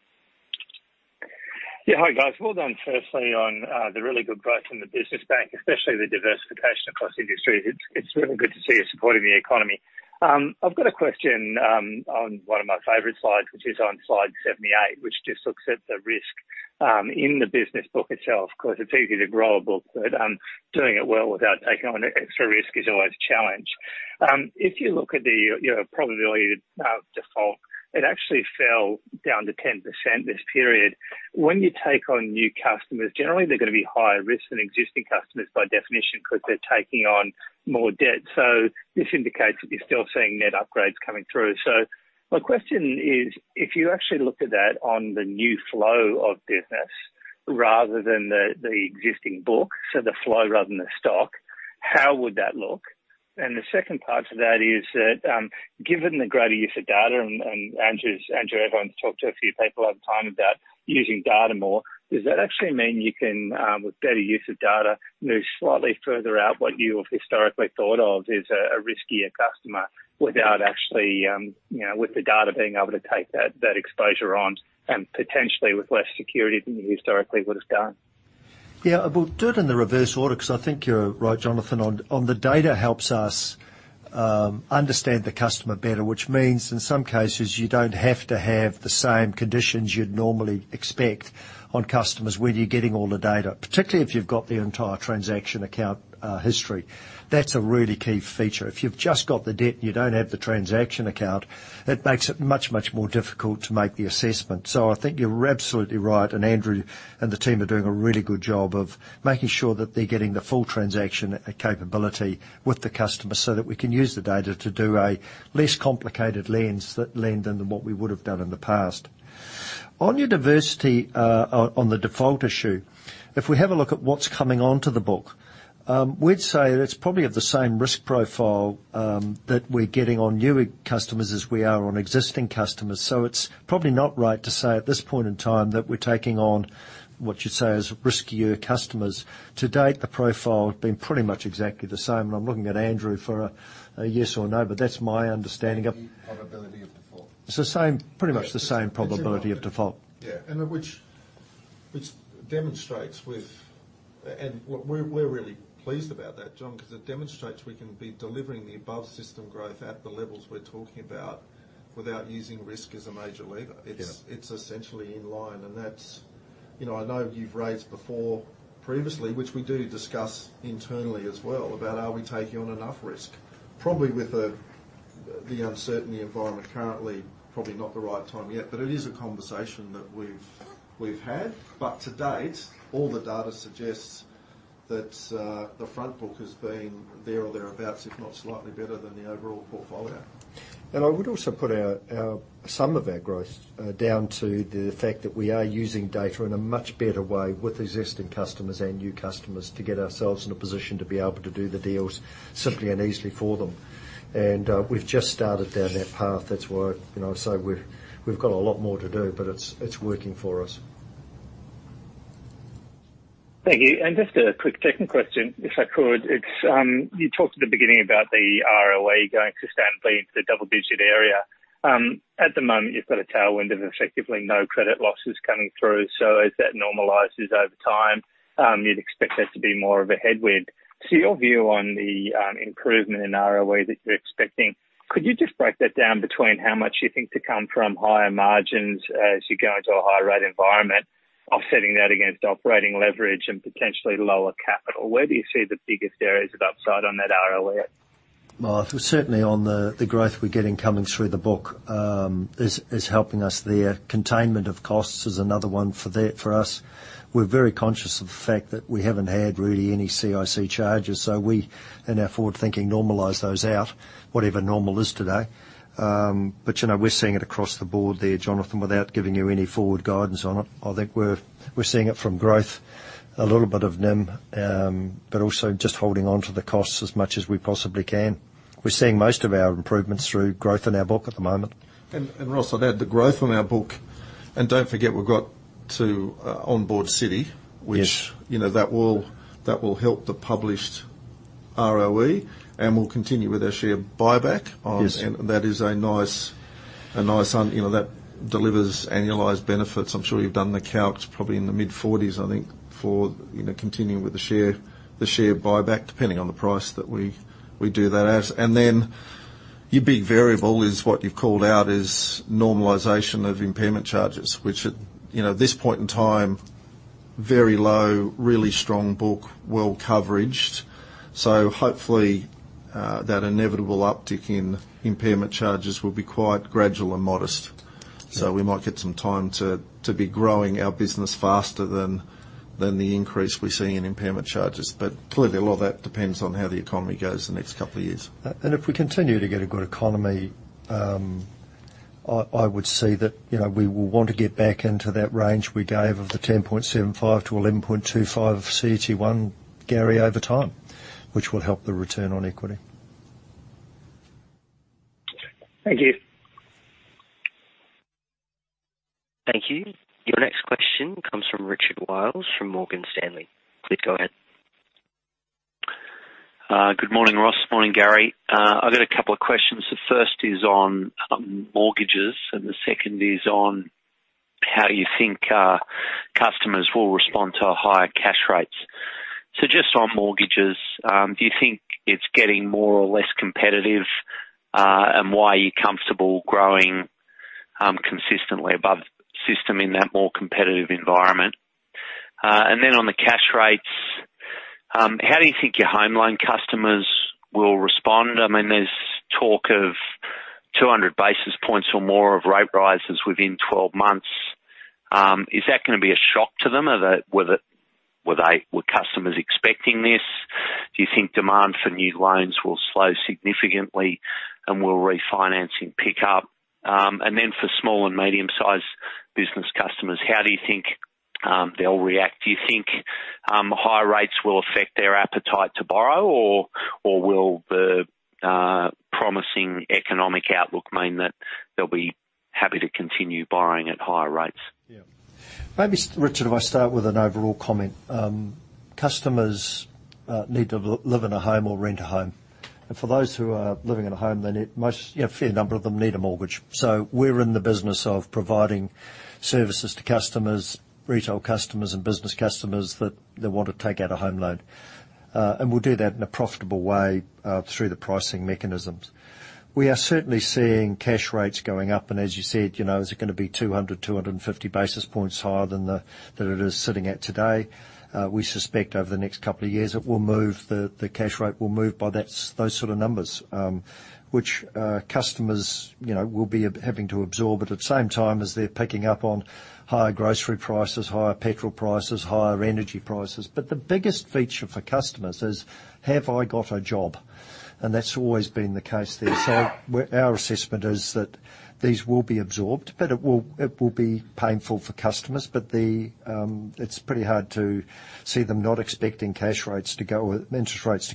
Yeah, hi guys. Well done firstly on the really good growth in the business bank, especially the diversification across industries. It's really good to see you supporting the economy. I've got a question on one of my favorite slides, which is on slide 78, which just looks at the risk in the business book itself. 'Cause it's easy to grow a book, but doing it well without taking on extra risk is always a challenge. If you look at the, you know, probability of default, it actually fell down to 10% this period. When you take on new customers, generally they're gonna be higher risk than existing customers by definition, because they're taking on more debt. So this indicates that you're still seeing net upgrades coming through. My question is, if you actually look at that on the new flow of business rather than the existing book, so the flow rather than the stock, how would that look? The second part to that is that, given the greater use of data and Andrew Evans talked to a few people over time about using data more, does that actually mean you can, with better use of data, move slightly further out what you have historically thought of as a riskier customer without actually, you know, with the data being able to take that exposure on and potentially with less security than you historically would have done? Yeah. We'll do it in the reverse order because I think you're right, Jonathan, the data helps us understand the customer better, which means in some cases you don't have to have the same conditions you'd normally expect on customers when you're getting all the data, particularly if you've got the entire transaction account history. That's a really key feature. If you've just got the debt and you don't have the transaction account, it makes it much, much more difficult to make the assessment. I think you're absolutely right, and Andrew and the team are doing a really good job of making sure that they're getting the full transaction capability with the customer so that we can use the data to do a less complicated lens than what we would have done in the past. On your diversity, on the default issue, if we have a look at what's coming onto the book, we'd say it's probably of the same risk profile that we're getting on newer customers as we are on existing customers. It's probably not right to say at this point in time that we're taking on, what you'd say is riskier customers. To date, the profile has been pretty much exactly the same. I'm looking at Andrew for a yes or no, but that's my understanding of. The probability of default. It's the same, pretty much the same probability of default. Yeah. Which demonstrates we're really pleased about that, John, 'cause it demonstrates we can be delivering the above system growth at the levels we're talking about without using risk as a major lever. Yeah. It's essentially in line. That's, you know, I know you've raised before previously, which we do discuss internally as well, about are we taking on enough risk? Probably with the uncertain environment currently, probably not the right time yet, but it is a conversation that we've had. To date, all the data suggests that the front book has been there or thereabouts, if not slightly better than the overall portfolio. I would also put some of our growth down to the fact that we are using data in a much better way with existing customers and new customers to get ourselves in a position to be able to do the deals simply and easily for them. We've just started down that path. That's why, you know, we've got a lot more to do, but it's working for us. Thank you. Just a quick second question, if I could. It's you talked at the beginning about the ROE going sustainably into the double-digit area. At the moment, you've got a tailwind of effectively no credit losses coming through. As that normalizes over time, you'd expect that to be more of a headwind. Your view on the improvement in ROE that you're expecting, could you just break that down between how much you think to come from higher margins as you go into a higher rate environment, offsetting that against operating leverage and potentially lower capital? Where do you see the biggest areas of upside on that ROE? Well, certainly on the growth we're getting coming through the book is helping us there. Containment of costs is another one for us. We're very conscious of the fact that we haven't had really any CIC charges, so we in our forward thinking normalize those out, whatever normal is today. But, you know, we're seeing it across the board there, Jonathan, without giving you any forward guidance on it. I think we're seeing it from growth, a little bit of NIM, but also just holding on to the costs as much as we possibly can. We're seeing most of our improvements through growth in our book at the moment. Ross, I'd add the growth on our book, and don't forget we've got to onboard Citigroup. Yes. Which, you know, that will help the published ROE, and we'll continue with our share buyback. Yes. That is a nice, you know, that delivers annualized benefits. I'm sure you've done the calc, probably in the mid-40s, I think, for, you know, continuing with the share buyback, depending on the price that we do that as. Your big variable is what you've called out is normalization of impairment charges, which at, you know, at this point in time, very low, really strong book, well coveraged. Hopefully, that inevitable uptick in impairment charges will be quite gradual and modest. Yeah. We might get some time to be growing our business faster than the increase we're seeing in impairment charges. Clearly a lot of that depends on how the economy goes the next couple of years. If we continue to get a good economy, I would see that, you know, we will want to get back into that range we gave of the 10.75%-11.25% CET1, Gary, over time, which will help the return on equity. Thank you. Thank you. Your next question comes from Richard Wiles from Morgan Stanley. Please go ahead. Good morning, Ross. Morning, Gary. I've got a couple of questions. The first is on mortgages, and the second is on how you think customers will respond to higher cash rates. Just on mortgages, do you think it's getting more or less competitive, and why are you comfortable growing consistently above system in that more competitive environment? On the cash rates, how do you think your home loan customers will respond? I mean, there's talk of 200 basis points or more of rate rises within 12 months. Is that gonna be a shock to them? Were customers expecting this? Do you think demand for new loans will slow significantly and will refinancing pick up? For small and medium-sized business customers, how do you think they'll react? Do you think higher rates will affect their appetite to borrow? Or will the promising economic outlook mean that they'll be happy to continue borrowing at higher rates? Yeah. Maybe, Richard, if I start with an overall comment. Customers need to live in a home or rent a home. For those who are living in a home, a fair number of them need a mortgage. We're in the business of providing services to customers, retail customers and business customers that want to take out a home loan. We'll do that in a profitable way through the pricing mechanisms. We are certainly seeing cash rates going up, and as you said, you know, is it gonna be 200-250 basis points higher than it is sitting at today? We suspect over the next couple of years, it will move. The cash rate will move by those sort of numbers, which customers, you know, will be having to absorb. At the same time, as they're picking up on higher grocery prices, higher petrol prices, higher energy prices. The biggest feature for customers is, have I got a job? That's always been the case there. Our assessment is that these will be absorbed, but it will be painful for customers. It's pretty hard to see them not expecting interest rates to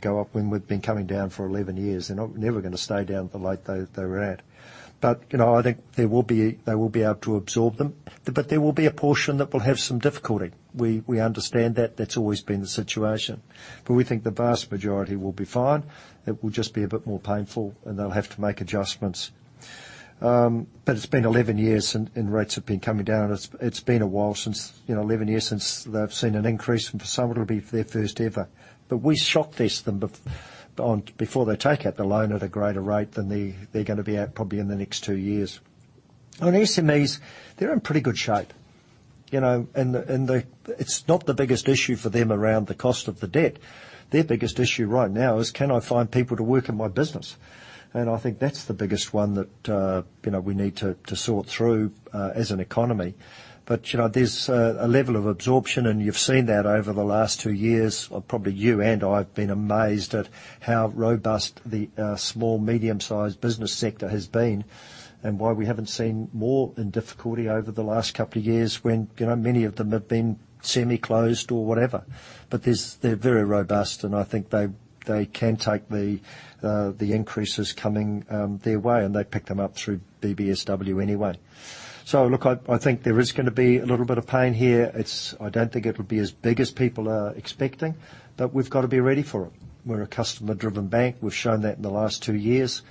go up when we've been coming down for 11 years. They're not never gonna stay down the rate they were at. You know, I think they will be able to absorb them, but there will be a portion that will have some difficulty. We understand that. That's always been the situation. We think the vast majority will be fine. It will just be a bit more painful, and they'll have to make adjustments. It's been 11 years and rates have been coming down. It's been a while since, you know, 11 years since they've seen an increase, and for some it'll be their first ever. We shock test them before they take out the loan at a greater rate than they're gonna be at probably in the next two years. On SMEs, they're in pretty good shape, you know. It's not the biggest issue for them around the cost of the debt. Their biggest issue right now is, can I find people to work in my business? I think that's the biggest one that, you know, we need to sort through as an economy. You know, there's a level of absorption, and you've seen that over the last two years. Probably you and I have been amazed at how robust the small, medium-sized business sector has been and why we haven't seen more in difficulty over the last couple of years when, you know, many of them have been semi-closed or whatever. They're very robust, and I think they can take the increases coming their way, and they pick them up through BBSW anyway. Look, I think there is gonna be a little bit of pain here. I don't think it'll be as big as people are expecting, but we've got to be ready for them. We're a customer-driven bank. We've shown that in the last two years.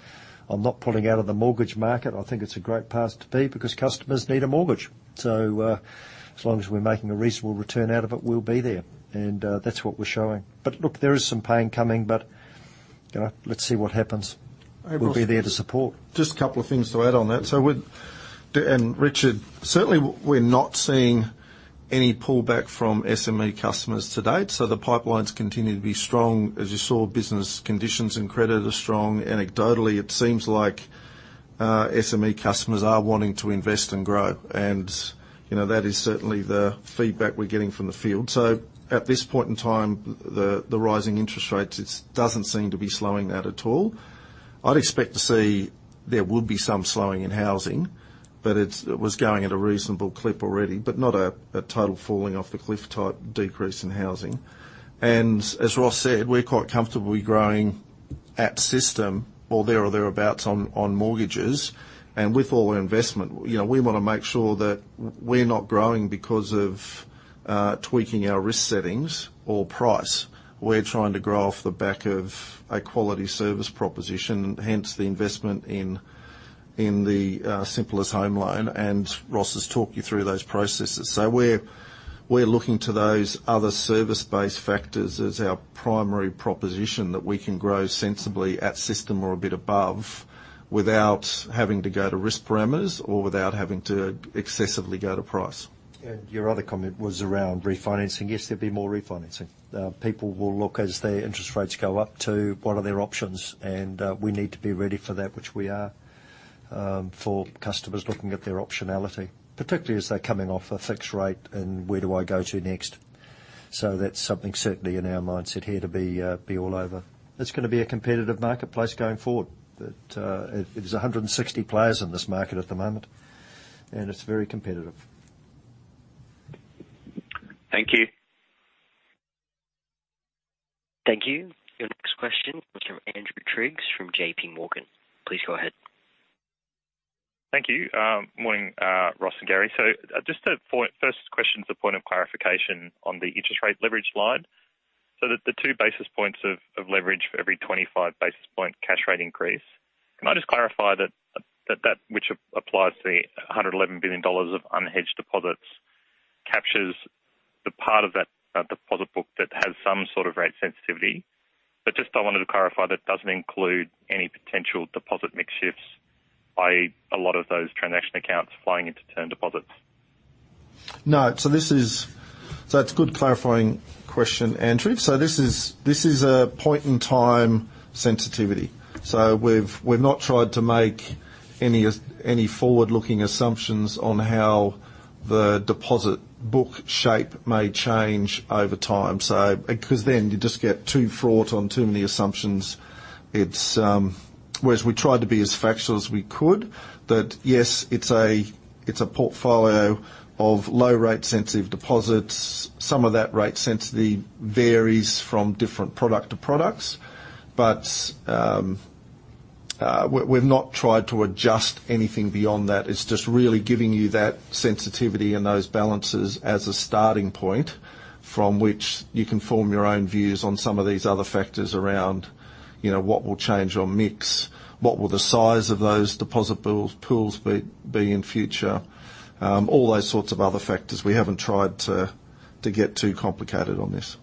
I'm not pulling out of the mortgage market. I think it's a great path to be because customers need a mortgage. As long as we're making a reasonable return out of it, we'll be there. That's what we're showing. Look, there is some pain coming, but, you know, let's see what happens. We'll be there to support. Just a couple of things to add on that. Richard, certainly we're not seeing any pullback from SME customers to date, so the pipelines continue to be strong. As you saw, business conditions and credit are strong. Anecdotally, it seems like SME customers are wanting to invest and grow. You know, that is certainly the feedback we're getting from the field. At this point in time, the rising interest rates, it doesn't seem to be slowing that at all. I'd expect to see there will be some slowing in housing, but it was going at a reasonable clip already, but not a total falling off the cliff type decrease in housing. As Ross said, we're quite comfortable growing at system or thereabouts on mortgages. With all our investment, you know, we wanna make sure that we're not growing because of tweaking our risk settings or price. We're trying to grow off the back of a quality service proposition, hence the investment in the simplest home loan. Ross has talked you through those processes. We're looking to those other service-based factors as our primary proposition that we can grow sensibly at system or a bit above without having to go to risk parameters or without having to excessively go to price. Your other comment was around refinancing. Yes, there'll be more refinancing. People will look as their interest rates go up to what are their options, and we need to be ready for that, which we are, for customers looking at their optionality, particularly as they're coming off a fixed rate and where do I go to next. That's something certainly in our mindset here to be all over. It's gonna be a competitive marketplace going forward. It is 160 players in this market at the moment, and it's very competitive. Thank you. Thank you. Your next question comes from Andrew Triggs from JPMorgan. Please go ahead. Thank you. Morning, Ross and Gary. First question is a point of clarification on the interest rate leverage slide. The 2 basis points of leverage for every 25 basis point cash rate increase. Can I just clarify that which applies to the 111 billion dollars of unhedged deposits captures the part of that deposit book that has some sort of rate sensitivity. But just I wanted to clarify that doesn't include any potential deposit mix shifts by a lot of those transaction accounts flying into term deposits. No. That's a good clarifying question, Andrew. This is a point in time sensitivity. We've not tried to make any forward-looking assumptions on how the deposit book shape may change over time. 'Cause then you just get too fraught on too many assumptions. Whereas we tried to be as factual as we could, that yes, it's a portfolio of low rate sensitive deposits. Some of that rate sensitivity varies from different product to products. We've not tried to adjust anything beyond that. It's just really giving you that sensitivity and those balances as a starting point from which you can form your own views on some of these other factors around, you know, what will change on mix, what will the size of those deposit pools be in future, all those sorts of other factors. We haven't tried to get too complicated on this.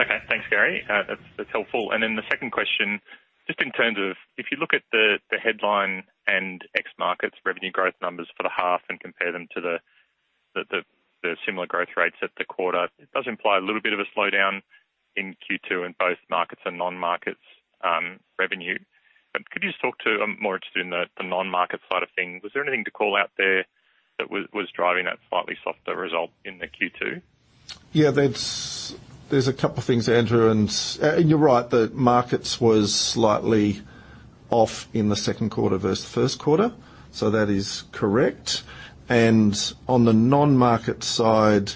Okay. Thanks, Gary. That's helpful. The second question, just in terms of if you look at the headline and ex-markets revenue growth numbers for the half and compare them to the similar growth rates at the quarter, it does imply a little bit of a slowdown in Q2 in both markets and non-markets revenue. Could you just talk to more just in the non-market side of things. Was there anything to call out there that was driving that slightly softer result in the Q2? Yeah, that's. There's a couple of things, Andrew. You're right, the markets was slightly off in the Q2 versus Q1. That is correct. On the non-market side,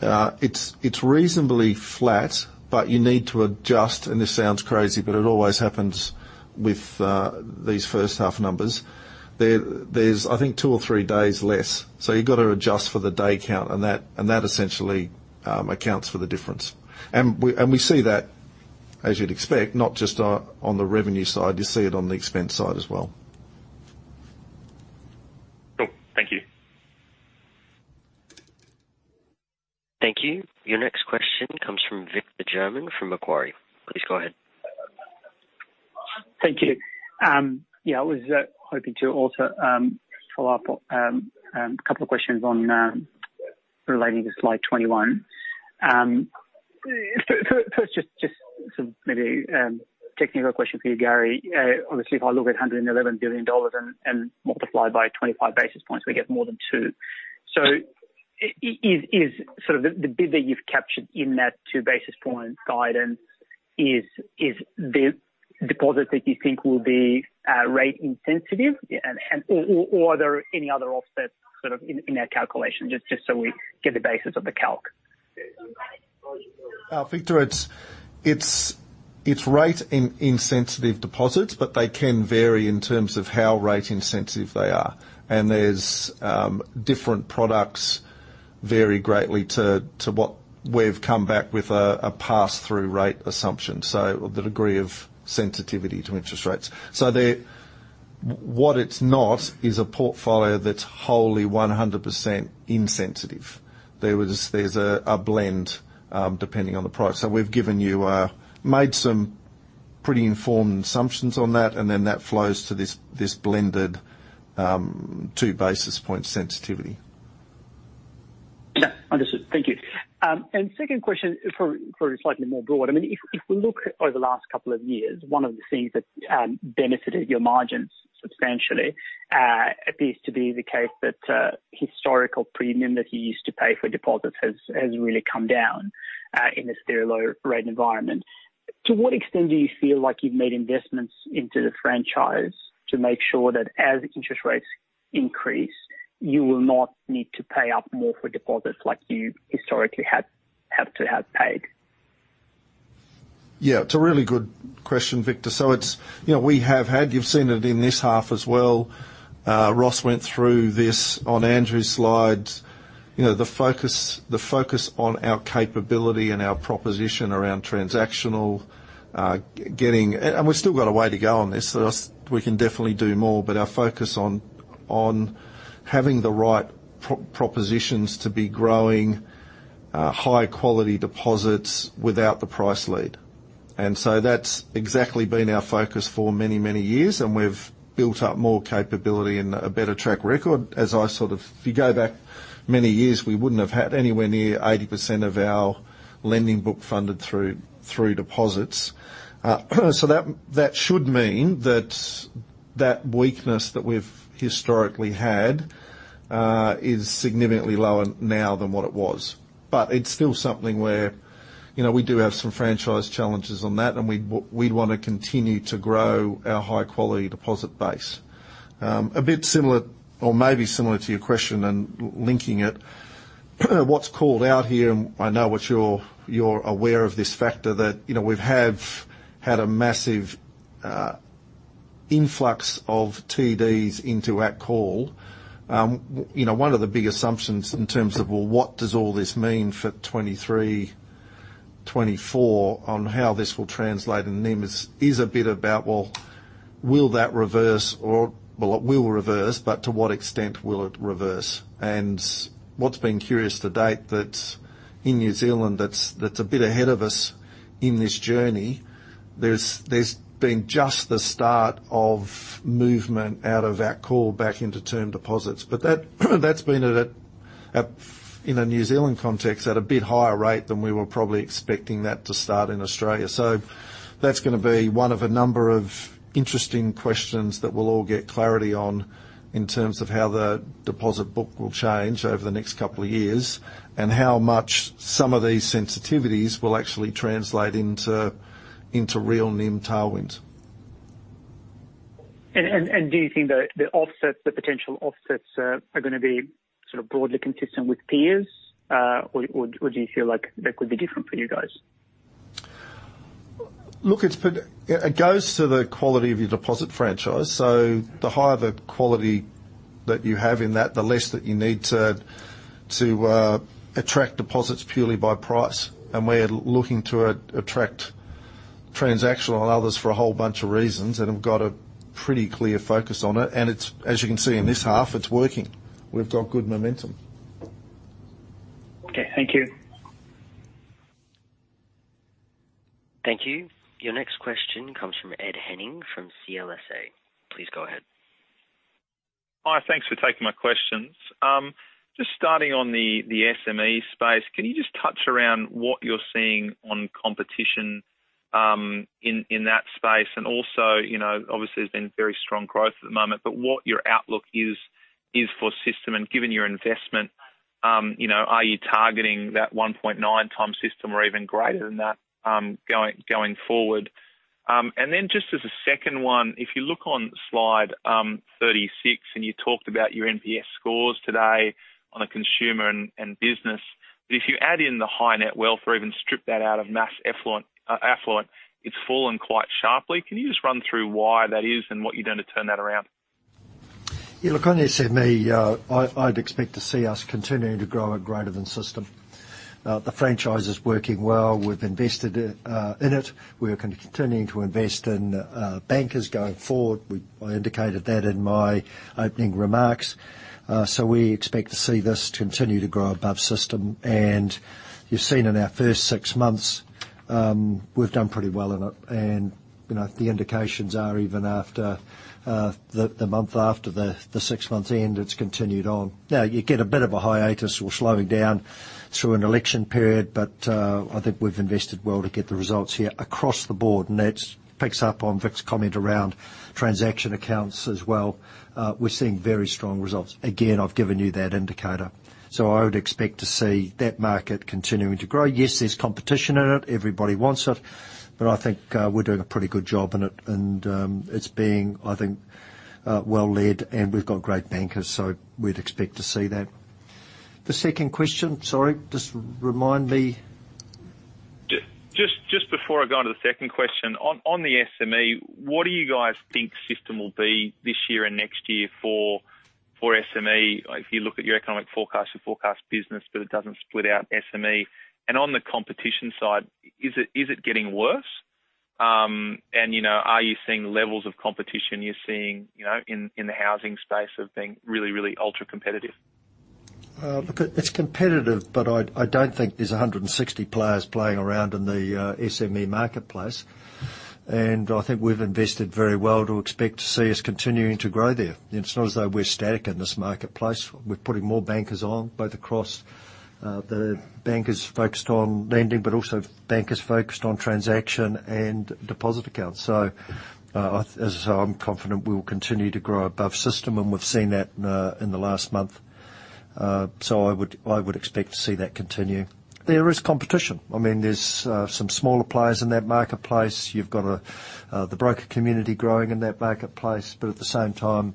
it's reasonably flat, but you need to adjust, and this sounds crazy, but it always happens with these first half numbers. There's I think two or three days less, so you've got to adjust for the day count, and that essentially accounts for the difference. We see that, as you'd expect, not just on the revenue side, you see it on the expense side as well. Cool. Thank you. Thank you. Your next question comes from Victor German from Macquarie. Please go ahead. Thank you. Yeah, I was hoping to also follow up on a couple of questions on relating to slide 21. Just some, maybe technical question for you, Gary. Obviously, if I look at 111 billion dollars and multiply by 25 basis points, we get more than two. Is sort of the bid that you've captured in that 2 basis points guidance is the deposits that you think will be rate insensitive? Or are there any other offsets sort of in that calculation? Just so we get the basis of the calc. Victor, it's rate-insensitive deposits, but they can vary in terms of how rate insensitive they are. There's different products vary greatly to what we've come back with a passthrough rate assumption. The degree of sensitivity to interest rates. What it's not is a portfolio that's wholly 100% insensitive. There's a blend depending on the product. We've given you made some pretty informed assumptions on that, and then that flows to this blended 2 basis point sensitivity. Yeah. Understood. Thank you. Second question for slightly more broad. I mean, if we look over the last couple of years, one of the things that benefited your margins substantially appears to be the case that historical premium that you used to pay for deposits has really come down in this very low rate environment. To what extent do you feel like you've made investments into the franchise to make sure that as interest rates increase, you will not need to pay up more for deposits like you historically had to have paid? Yeah, it's a really good question, Victor. You know, we have had, you've seen it in this half as well. Ross went through this on Andrew's slides. You know, the focus on our capability and our proposition around transactional getting. And we've still got a way to go on this. So we can definitely do more. But our focus on having the right propositions to be growing high quality deposits without the price lead. And so that's exactly been our focus for many, many years, and we've built up more capability and a better track record. As I sort of. If you go back many years, we wouldn't have had anywhere near 80% of our lending book funded through deposits. That should mean that weakness that we've historically had is significantly lower now than what it was. It's still something where, you know, we do have some franchise challenges on that, and we'd wanna continue to grow our high quality deposit base. A bit similar to your question and linking it, what's called out here, and I know that you're aware of this factor that, you know, we've had a massive influx of TDs into at call. You know, one of the big assumptions in terms of, well, what does all this mean for 2023, 2024 on how this will translate in NIM is a bit about, well, will that reverse. It will reverse, but to what extent will it reverse? What's been curious to date that in New Zealand that's a bit ahead of us in this journey, there's been just the start of movement out of that callable back into term deposits. That's been at a in a New Zealand context, at a bit higher rate than we were probably expecting that to start in Australia. That's gonna be one of a number of interesting questions that we'll all get clarity on in terms of how the deposit book will change over the next couple of years, and how much some of these sensitivities will actually translate into real NIM tailwinds. Do you think the offsets are gonna be sort of broadly consistent with peers, or do you feel like that could be different for you guys? Look, it goes to the quality of your deposit franchise. The higher the quality that you have in that, the less that you need to attract deposits purely by price. We're looking to attract transactional others for a whole bunch of reasons and have got a pretty clear focus on it. It's, as you can see in this half, working. We've got good momentum. Okay. Thank you. Thank you. Your next question comes from Ed Henning from CLSA. Please go ahead. Hi. Thanks for taking my questions. Just starting on the SME space. Can you just touch on what you're seeing on competition in that space? Also, you know, obviously there's been very strong growth at the moment, but what your outlook is for system and given your investment, you know, are you targeting that 1.9x system or even greater than that, going forward? Then just as a second one, if you look on slide 36, and you talked about your NPS scores today on the consumer and business. But if you add in the high net worth or even strip that out of mass affluent, it's fallen quite sharply. Can you just run through why that is and what you're doing to turn that around? Yeah. Look, on the SME, I'd expect to see us continuing to grow at greater than system. The franchise is working well. We've invested in it. We are continuing to invest in bankers going forward. I indicated that in my opening remarks. We expect to see this continue to grow above system. You've seen in our first six months, we've done pretty well in it. The indications are even after the month after the six months end, it's continued on. Now, you get a bit of a hiatus or slowing down through an election period, but I think we've invested well to get the results here across the board. That picks up on Vic's comment around transaction accounts as well. We're seeing very strong results. Again, I've given you that indicator. I would expect to see that market continuing to grow. Yes, there's competition in it. Everybody wants it. I think, we're doing a pretty good job in it. It's being, I think, well led, and we've got great bankers, so we'd expect to see that. The second question. Sorry, just remind me. Just before I go on to the second question. On the SME, what do you guys think system will be this year and next year for SME? If you look at your economic forecast, you forecast business, but it doesn't split out SME. On the competition side, is it getting worse? You know, are you seeing the levels of competition you're seeing, you know, in the housing space or being really, really ultra-competitive? Look, it's competitive, but I don't think there's 160 players playing around in the SME marketplace. I think we've invested very well to expect to see us continuing to grow there. It's not as though we're static in this marketplace. We're putting more bankers on, both across the bankers focused on lending, but also bankers focused on transaction and deposit accounts. As I said, I'm confident we will continue to grow above system, and we've seen that in the last month. I would expect to see that continue. There is competition. I mean, there's some smaller players in that marketplace. You've got the broker community growing in that marketplace. At the same time,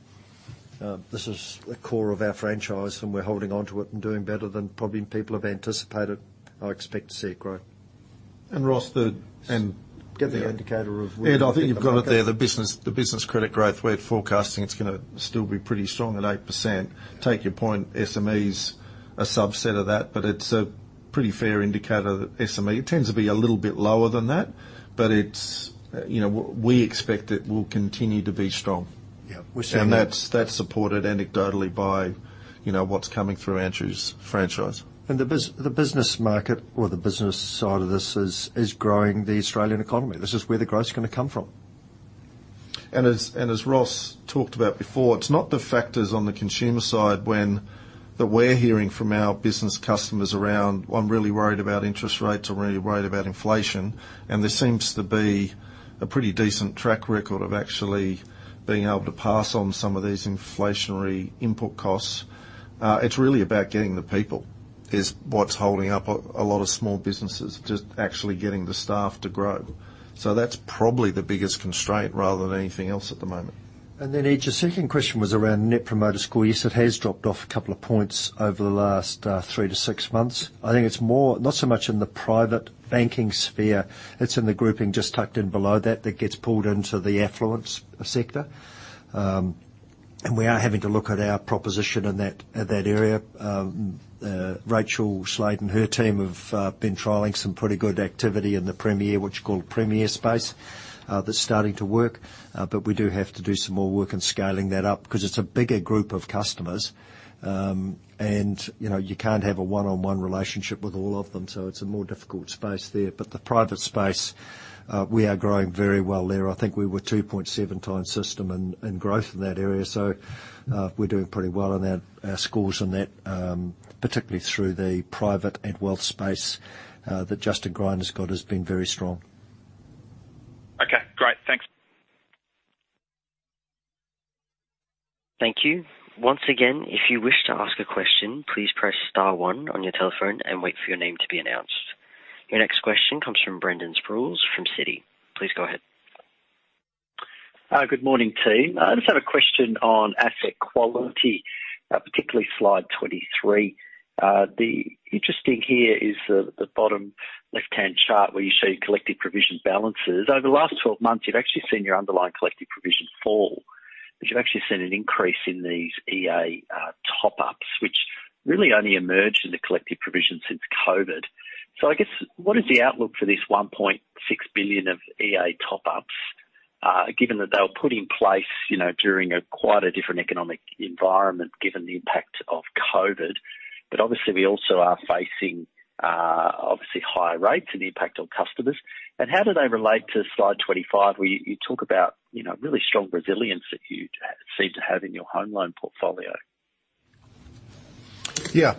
this is the core of our franchise and we're holding onto it and doing better than probably people have anticipated. I expect to see it grow. Ross, and-. Give the indicator of where- Ed, I think you've got it there. The business credit growth, we're forecasting it's gonna still be pretty strong at 8%. Take your point, SME is a subset of that, but it's a pretty fair indicator that SME. It tends to be a little bit lower than that. It's, you know, we expect it will continue to be strong. Yeah. We've seen it. That's supported anecdotally by, you know, what's coming through Andrew's franchise. The business market or the business side of this is growing the Australian economy. This is where the growth is gonna come from. As Ross talked about before, it's not the factors on the consumer side that we're hearing from our business customers around, "I'm really worried about interest rates. I'm really worried about inflation." There seems to be a pretty decent track record of actually being able to pass on some of these inflationary input costs. It's really about getting the people that is what's holding up a lot of small businesses. Just actually getting the staff to grow. That's probably the biggest constraint rather than anything else at the moment. Ed, your second question was around Net Promoter Score. Yes, it has dropped off a couple of points over the last three to six months. I think it's more, not so much in the private banking sphere, it's in the grouping just tucked in below that gets pulled into the affluence sector. We are having to look at our proposition in that, at that area. Rachel Slade and her team have been trialing some pretty good activity in the premier, what you call premier space, that's starting to work. We do have to do some more work in scaling that up because it's a bigger group of customers. You know, you can't have a one-on-one relationship with all of them, so it's a more difficult space there. The private space, we are growing very well there. I think we were 2.7x system in growth in that area, so we're doing pretty well on our scores on that, particularly through the private and wealth space that Justin Greiner's got has been very strong. Okay, great. Thanks. Thank you. Once again, if you wish to ask a question, please press star one on your telephone and wait for your name to be announced. Your next question comes from Brendan Sproules from Citi. Please go ahead. Good morning, team. I just have a question on asset quality, particularly slide 23. The interesting here is the bottom left-hand chart where you see collective provision balances. Over the last 12 months, you've actually seen your underlying collective provision fall, but you've actually seen an increase in these EA top-ups, which really only emerged in the collective provision since COVID. I guess, what is the outlook for this 1.6 billion of EA top-ups, given that they were put in place, you know, during a quite a different economic environment, given the impact of COVID? Obviously we also are facing obviously higher rates and the impact on customers. How do they relate to slide 25, where you talk about, you know, really strong resilience that you seem to have in your home loan portfolio? Yeah.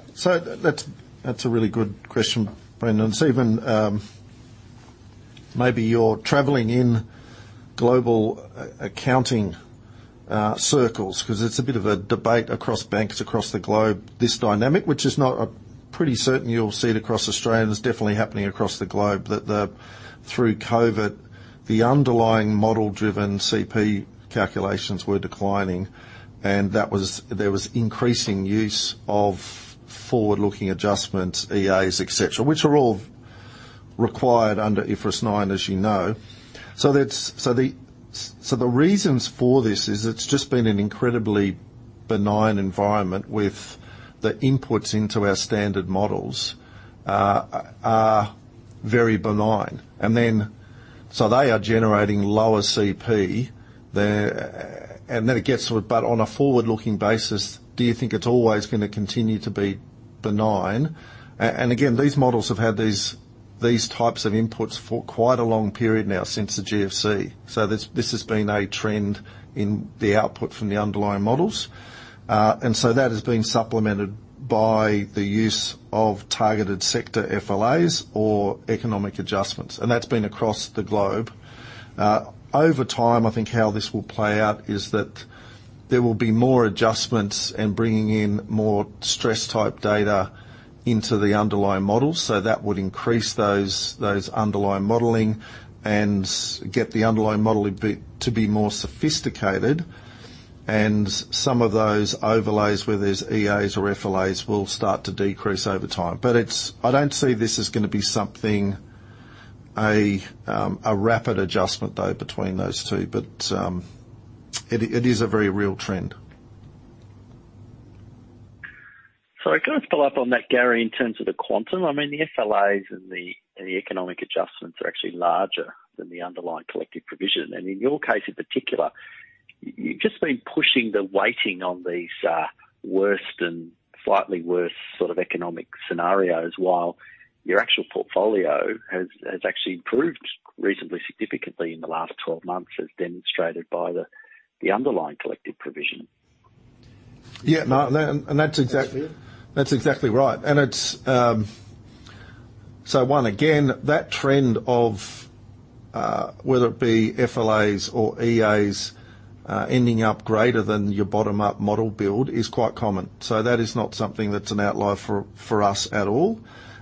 That's a really good question, Brendan. It's even maybe you're traveling in global accounting circles because it's a bit of a debate across banks across the globe, this dynamic. Pretty certain you'll see it across Australia, and it's definitely happening across the globe, that through COVID, the underlying model-driven CP calculations were declining, and there was increasing use of forward-looking adjustments, EAs, et cetera, which are all required under IFRS 9, as you know. The reasons for this is it's just been an incredibly benign environment with the inputs into our standard models are very benign. They are generating lower CP there, and then it gets to about on a forward-looking basis, do you think it's always going to continue to be benign? Again, these models have had these types of inputs for quite a long period now since the GFC. This has been a trend in the output from the underlying models. That has been supplemented by the use of targeted sector FLAs or economic adjustments, and that's been across the globe. Over time, I think how this will play out is that there will be more adjustments and bringing in more stress type data into the underlying models. That would increase those underlying modeling and get the underlying modeling to be more sophisticated. Some of those overlays where there's EAs or FLAs will start to decrease over time. It's, I don't see this as gonna be something, a rapid adjustment though between those two. It is a very real trend. Can I just follow up on that, Gary, in terms of the quantum? I mean, the FLAs and the economic adjustments are actually larger than the underlying collective provision. In your case in particular, you've just been pushing the weighting on these worst and slightly worse sort of economic scenarios while your actual portfolio has actually improved reasonably significantly in the last 12 months, as demonstrated by the underlying collective provision. That's exactly- That's exactly right. It's one, again, that trend of whether it be FLAs or EAs ending up greater than your bottom-up model build is quite common. That is not something that's an outlier for us at all.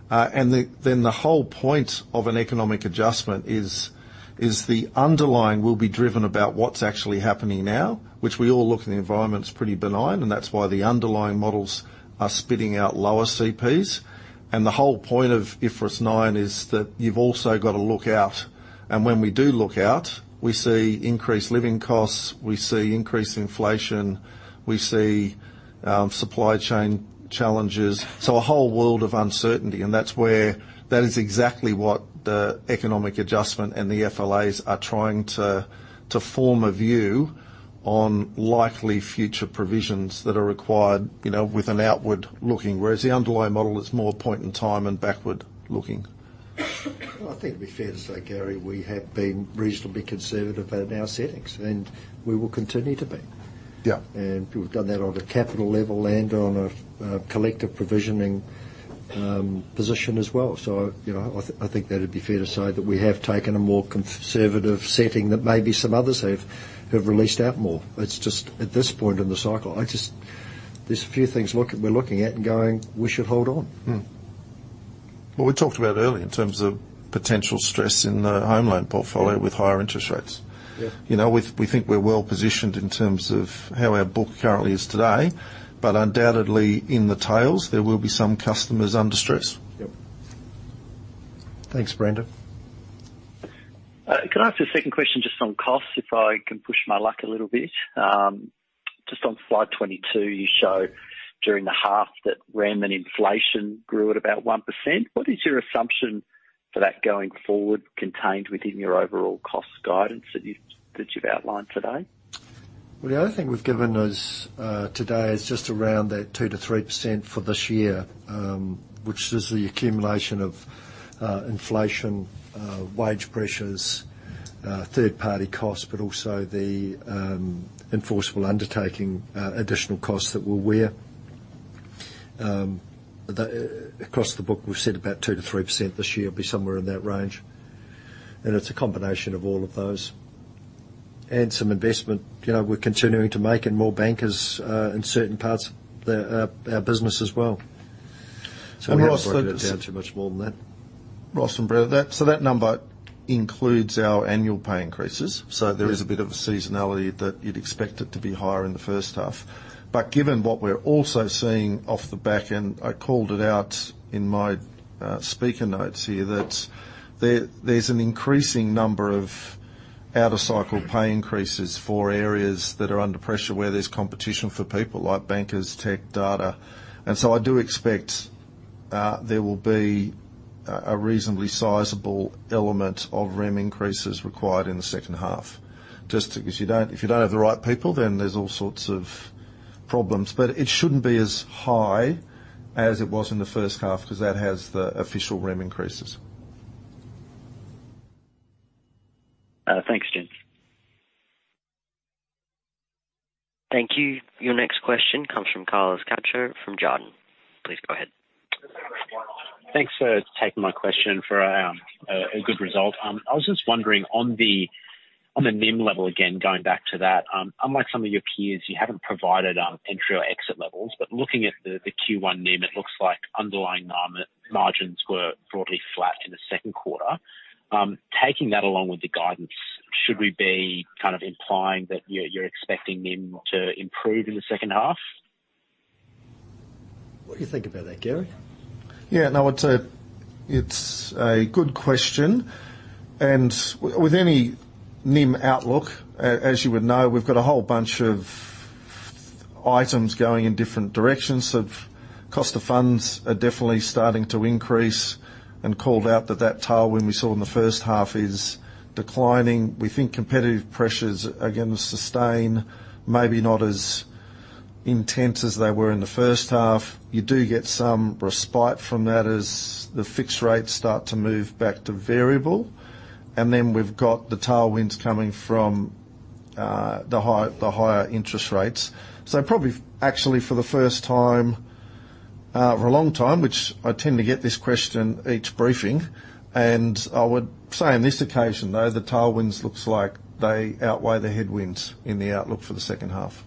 The whole point of an economic adjustment is the underlying will be driven about what's actually happening now, which we all look and the environment is pretty benign, and that's why the underlying models are spitting out lower CPs. The whole point of IFRS 9 is that you've also got to look out, and when we do look out, we see increased living costs, we see increased inflation, we see supply chain challenges. A whole world of uncertainty, and that's where, that is exactly what the economic adjustment and the FLAs are trying to form a view on likely future provisions that are required, you know, with an outward-looking, whereas the underlying model is more point in time and backward-looking. Well, I think it'd be fair to say, Gary, we have been reasonably conservative about our settings, and we will continue to be. Yeah. We've done that on a capital level and on a collective provisioning position as well. You know, I think that it'd be fair to say that we have taken a more conservative setting that maybe some others have released out more. It's just at this point in the cycle. There's a few things we're looking at and going, "We should hold on. Mm-hmm. Well, we talked about earlier in terms of potential stress in the home loan portfolio with higher interest rates. Yeah. You know, we think we're well-positioned in terms of how our book currently is today. Undoubtedly in the tails, there will be some customers under stress. Yep. Thanks, Brendan. Can I ask a second question just on costs, if I can push my luck a little bit? Just on slide 22, you show during the half that wages and inflation grew at about 1%. What is your assumption for that going forward contained within your overall cost guidance that you've outlined today? Well, the only thing we've given is today is just around that 2%-3% for this year, which is the accumulation of inflation, wage pressures, third-party costs, but also the enforceable undertaking additional costs that we'll bear. Across the book, we've said about 2%-3% this year, it'll be somewhere in that range. It's a combination of all of those. Some investment, you know, we're continuing to make and more bankers in certain parts of our business as well. Ross that. I haven't broken it down too much more than that. Ross and Brendan, that number includes our annual pay increases. There is a bit of a seasonality that you'd expect it to be higher in the first half. Given what we're also seeing off the back, and I called it out in my speaker notes here, that there's an increasing number of out of cycle pay increases for areas that are under pressure where there's competition for people like bankers, tech, data. I do expect there will be a reasonably sizable element of REM increases required in the second half. Just because you don't, if you don't have the right people, then there's all sorts of problems. It shouldn't be as high as it was in the first half because that has the official REM increases. Thanks, gents. Thank you. Your next question comes from Carlos Cacho from Jarden. Please go ahead. Thanks for taking my question for a good result. I was just wondering on the NIM level, again, going back to that, unlike some of your peers, you haven't provided entry or exit levels. Looking at the Q1 NIM, it looks like underlying margins were broadly flat in the second quarter. Taking that along with your guidance, should we be kind of implying that you're expecting NIM to improve in the second half? What do you think about that, Gary? Yeah. No, it's a good question. With any NIM outlook, as you would know, we've got a whole bunch of items going in different directions. Cost of funds are definitely starting to increase and called out that tailwind we saw in the first half is declining. We think competitive pressures are gonna sustain, maybe not as intense as they were in the first half. You do get some respite from that as the fixed rates start to move back to variable. Then we've got the tailwinds coming from the higher interest rates. Probably actually for the first time for a long time, which I tend to get this question each briefing, and I would say on this occasion, though, the tailwinds looks like they outweigh the headwinds in the outlook for the second half.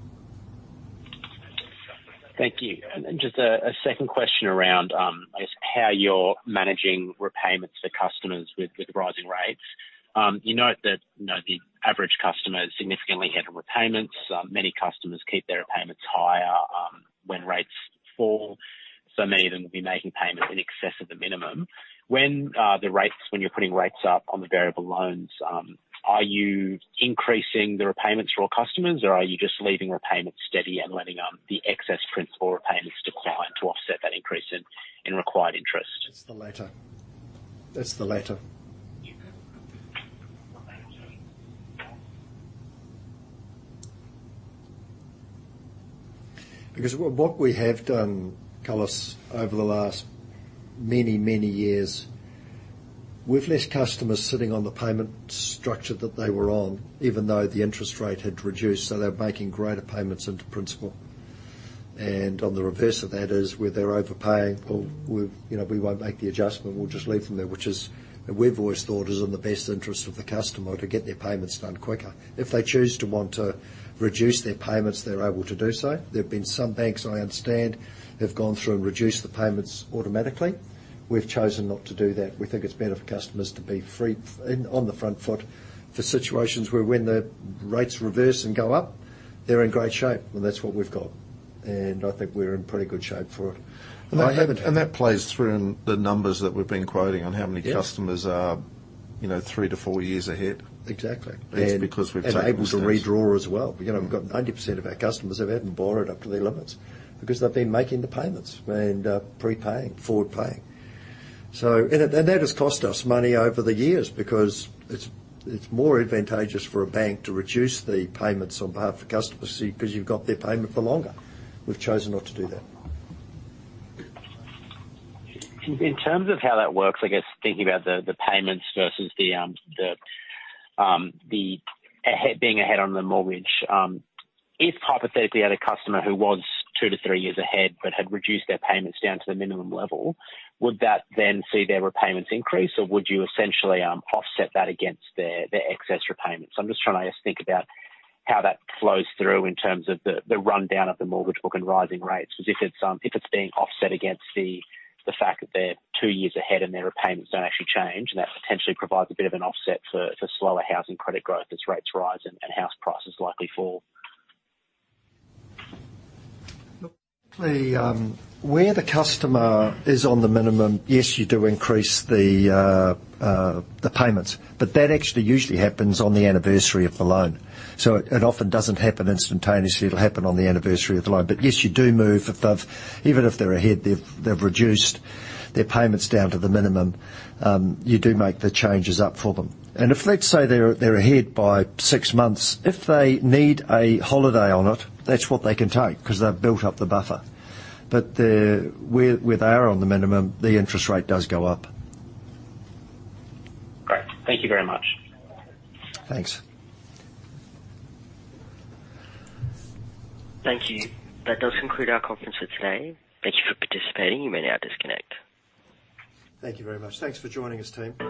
Thank you. Just a second question around how you're managing repayments for customers with the rising rates. You note that, you know, the average customer has significantly higher repayments. Many customers keep their repayments higher when rates fall, so many of them will be making payments in excess of the minimum. When you're putting rates up on the variable loans, are you increasing the repayments for all customers or are you just leaving repayments steady and letting the excess principal repayments decline to offset that increase in required interest? It's the latter. Because what we have done, Carlos, over the last many years, we've left customers sitting on the payment structure that they were on, even though the interest rate had reduced, so they're making greater payments into principal. On the reverse of that is where they're overpaying or we've, you know, we won't make the adjustment, we'll just leave them there, which is. We've always thought is in the best interest of the customer to get their payments done quicker. If they choose to want to reduce their payments, they're able to do so. There have been some banks I understand have gone through and reduced the payments automatically. We've chosen not to do that. We think it's better for customers to be free and on the front foot for situations where when the rates reverse and go up, they're in great shape. That's what we've got. I think we're in pretty good shape for it. I haven't-. That plays through in the numbers that we've been quoting on how many. Yeah. Customers are, you know, three to four years ahead. Exactly. It's because we've taken those steps. Able to redraw as well. You know, we've got 90% of our customers haven't borrowed up to their limits because they've been making the payments and prepaying, forward paying. That has cost us money over the years because it's more advantageous for a bank to reduce the payments on behalf of customers, see, 'cause you've got their payment for longer. We've chosen not to do that. In terms of how that works, I guess thinking about the payments versus the ahead, being ahead on the mortgage, if hypothetically we had a customer who was two to three years ahead but had reduced their payments down to the minimum level, would that then see their repayments increase or would you essentially offset that against their excess repayments? I'm just trying to think about how that flows through in terms of the rundown of the mortgage book and rising rates, as if it's being offset against the fact that they're two years ahead and their repayments don't actually change, and that potentially provides a bit of an offset for slower housing credit growth as rates rise and house prices likely fall. Look, where the customer is on the minimum, yes, you do increase the payments, but that actually usually happens on the anniversary of the loan. It often doesn't happen instantaneously. It'll happen on the anniversary of the loan. Yes, you do move if they've even if they're ahead, they've reduced their payments down to the minimum, you do make the changes up for them. If let's say they're ahead by six months, if they need a holiday on it, that's what they can take 'cause they've built up the buffer. Where they are on the minimum, the interest rate does go up. Great. Thank you very much. Thanks. Thank you. That does conclude our conference for today. Thank you for participating. You may now disconnect. Thank you very much. Thanks for joining us, team.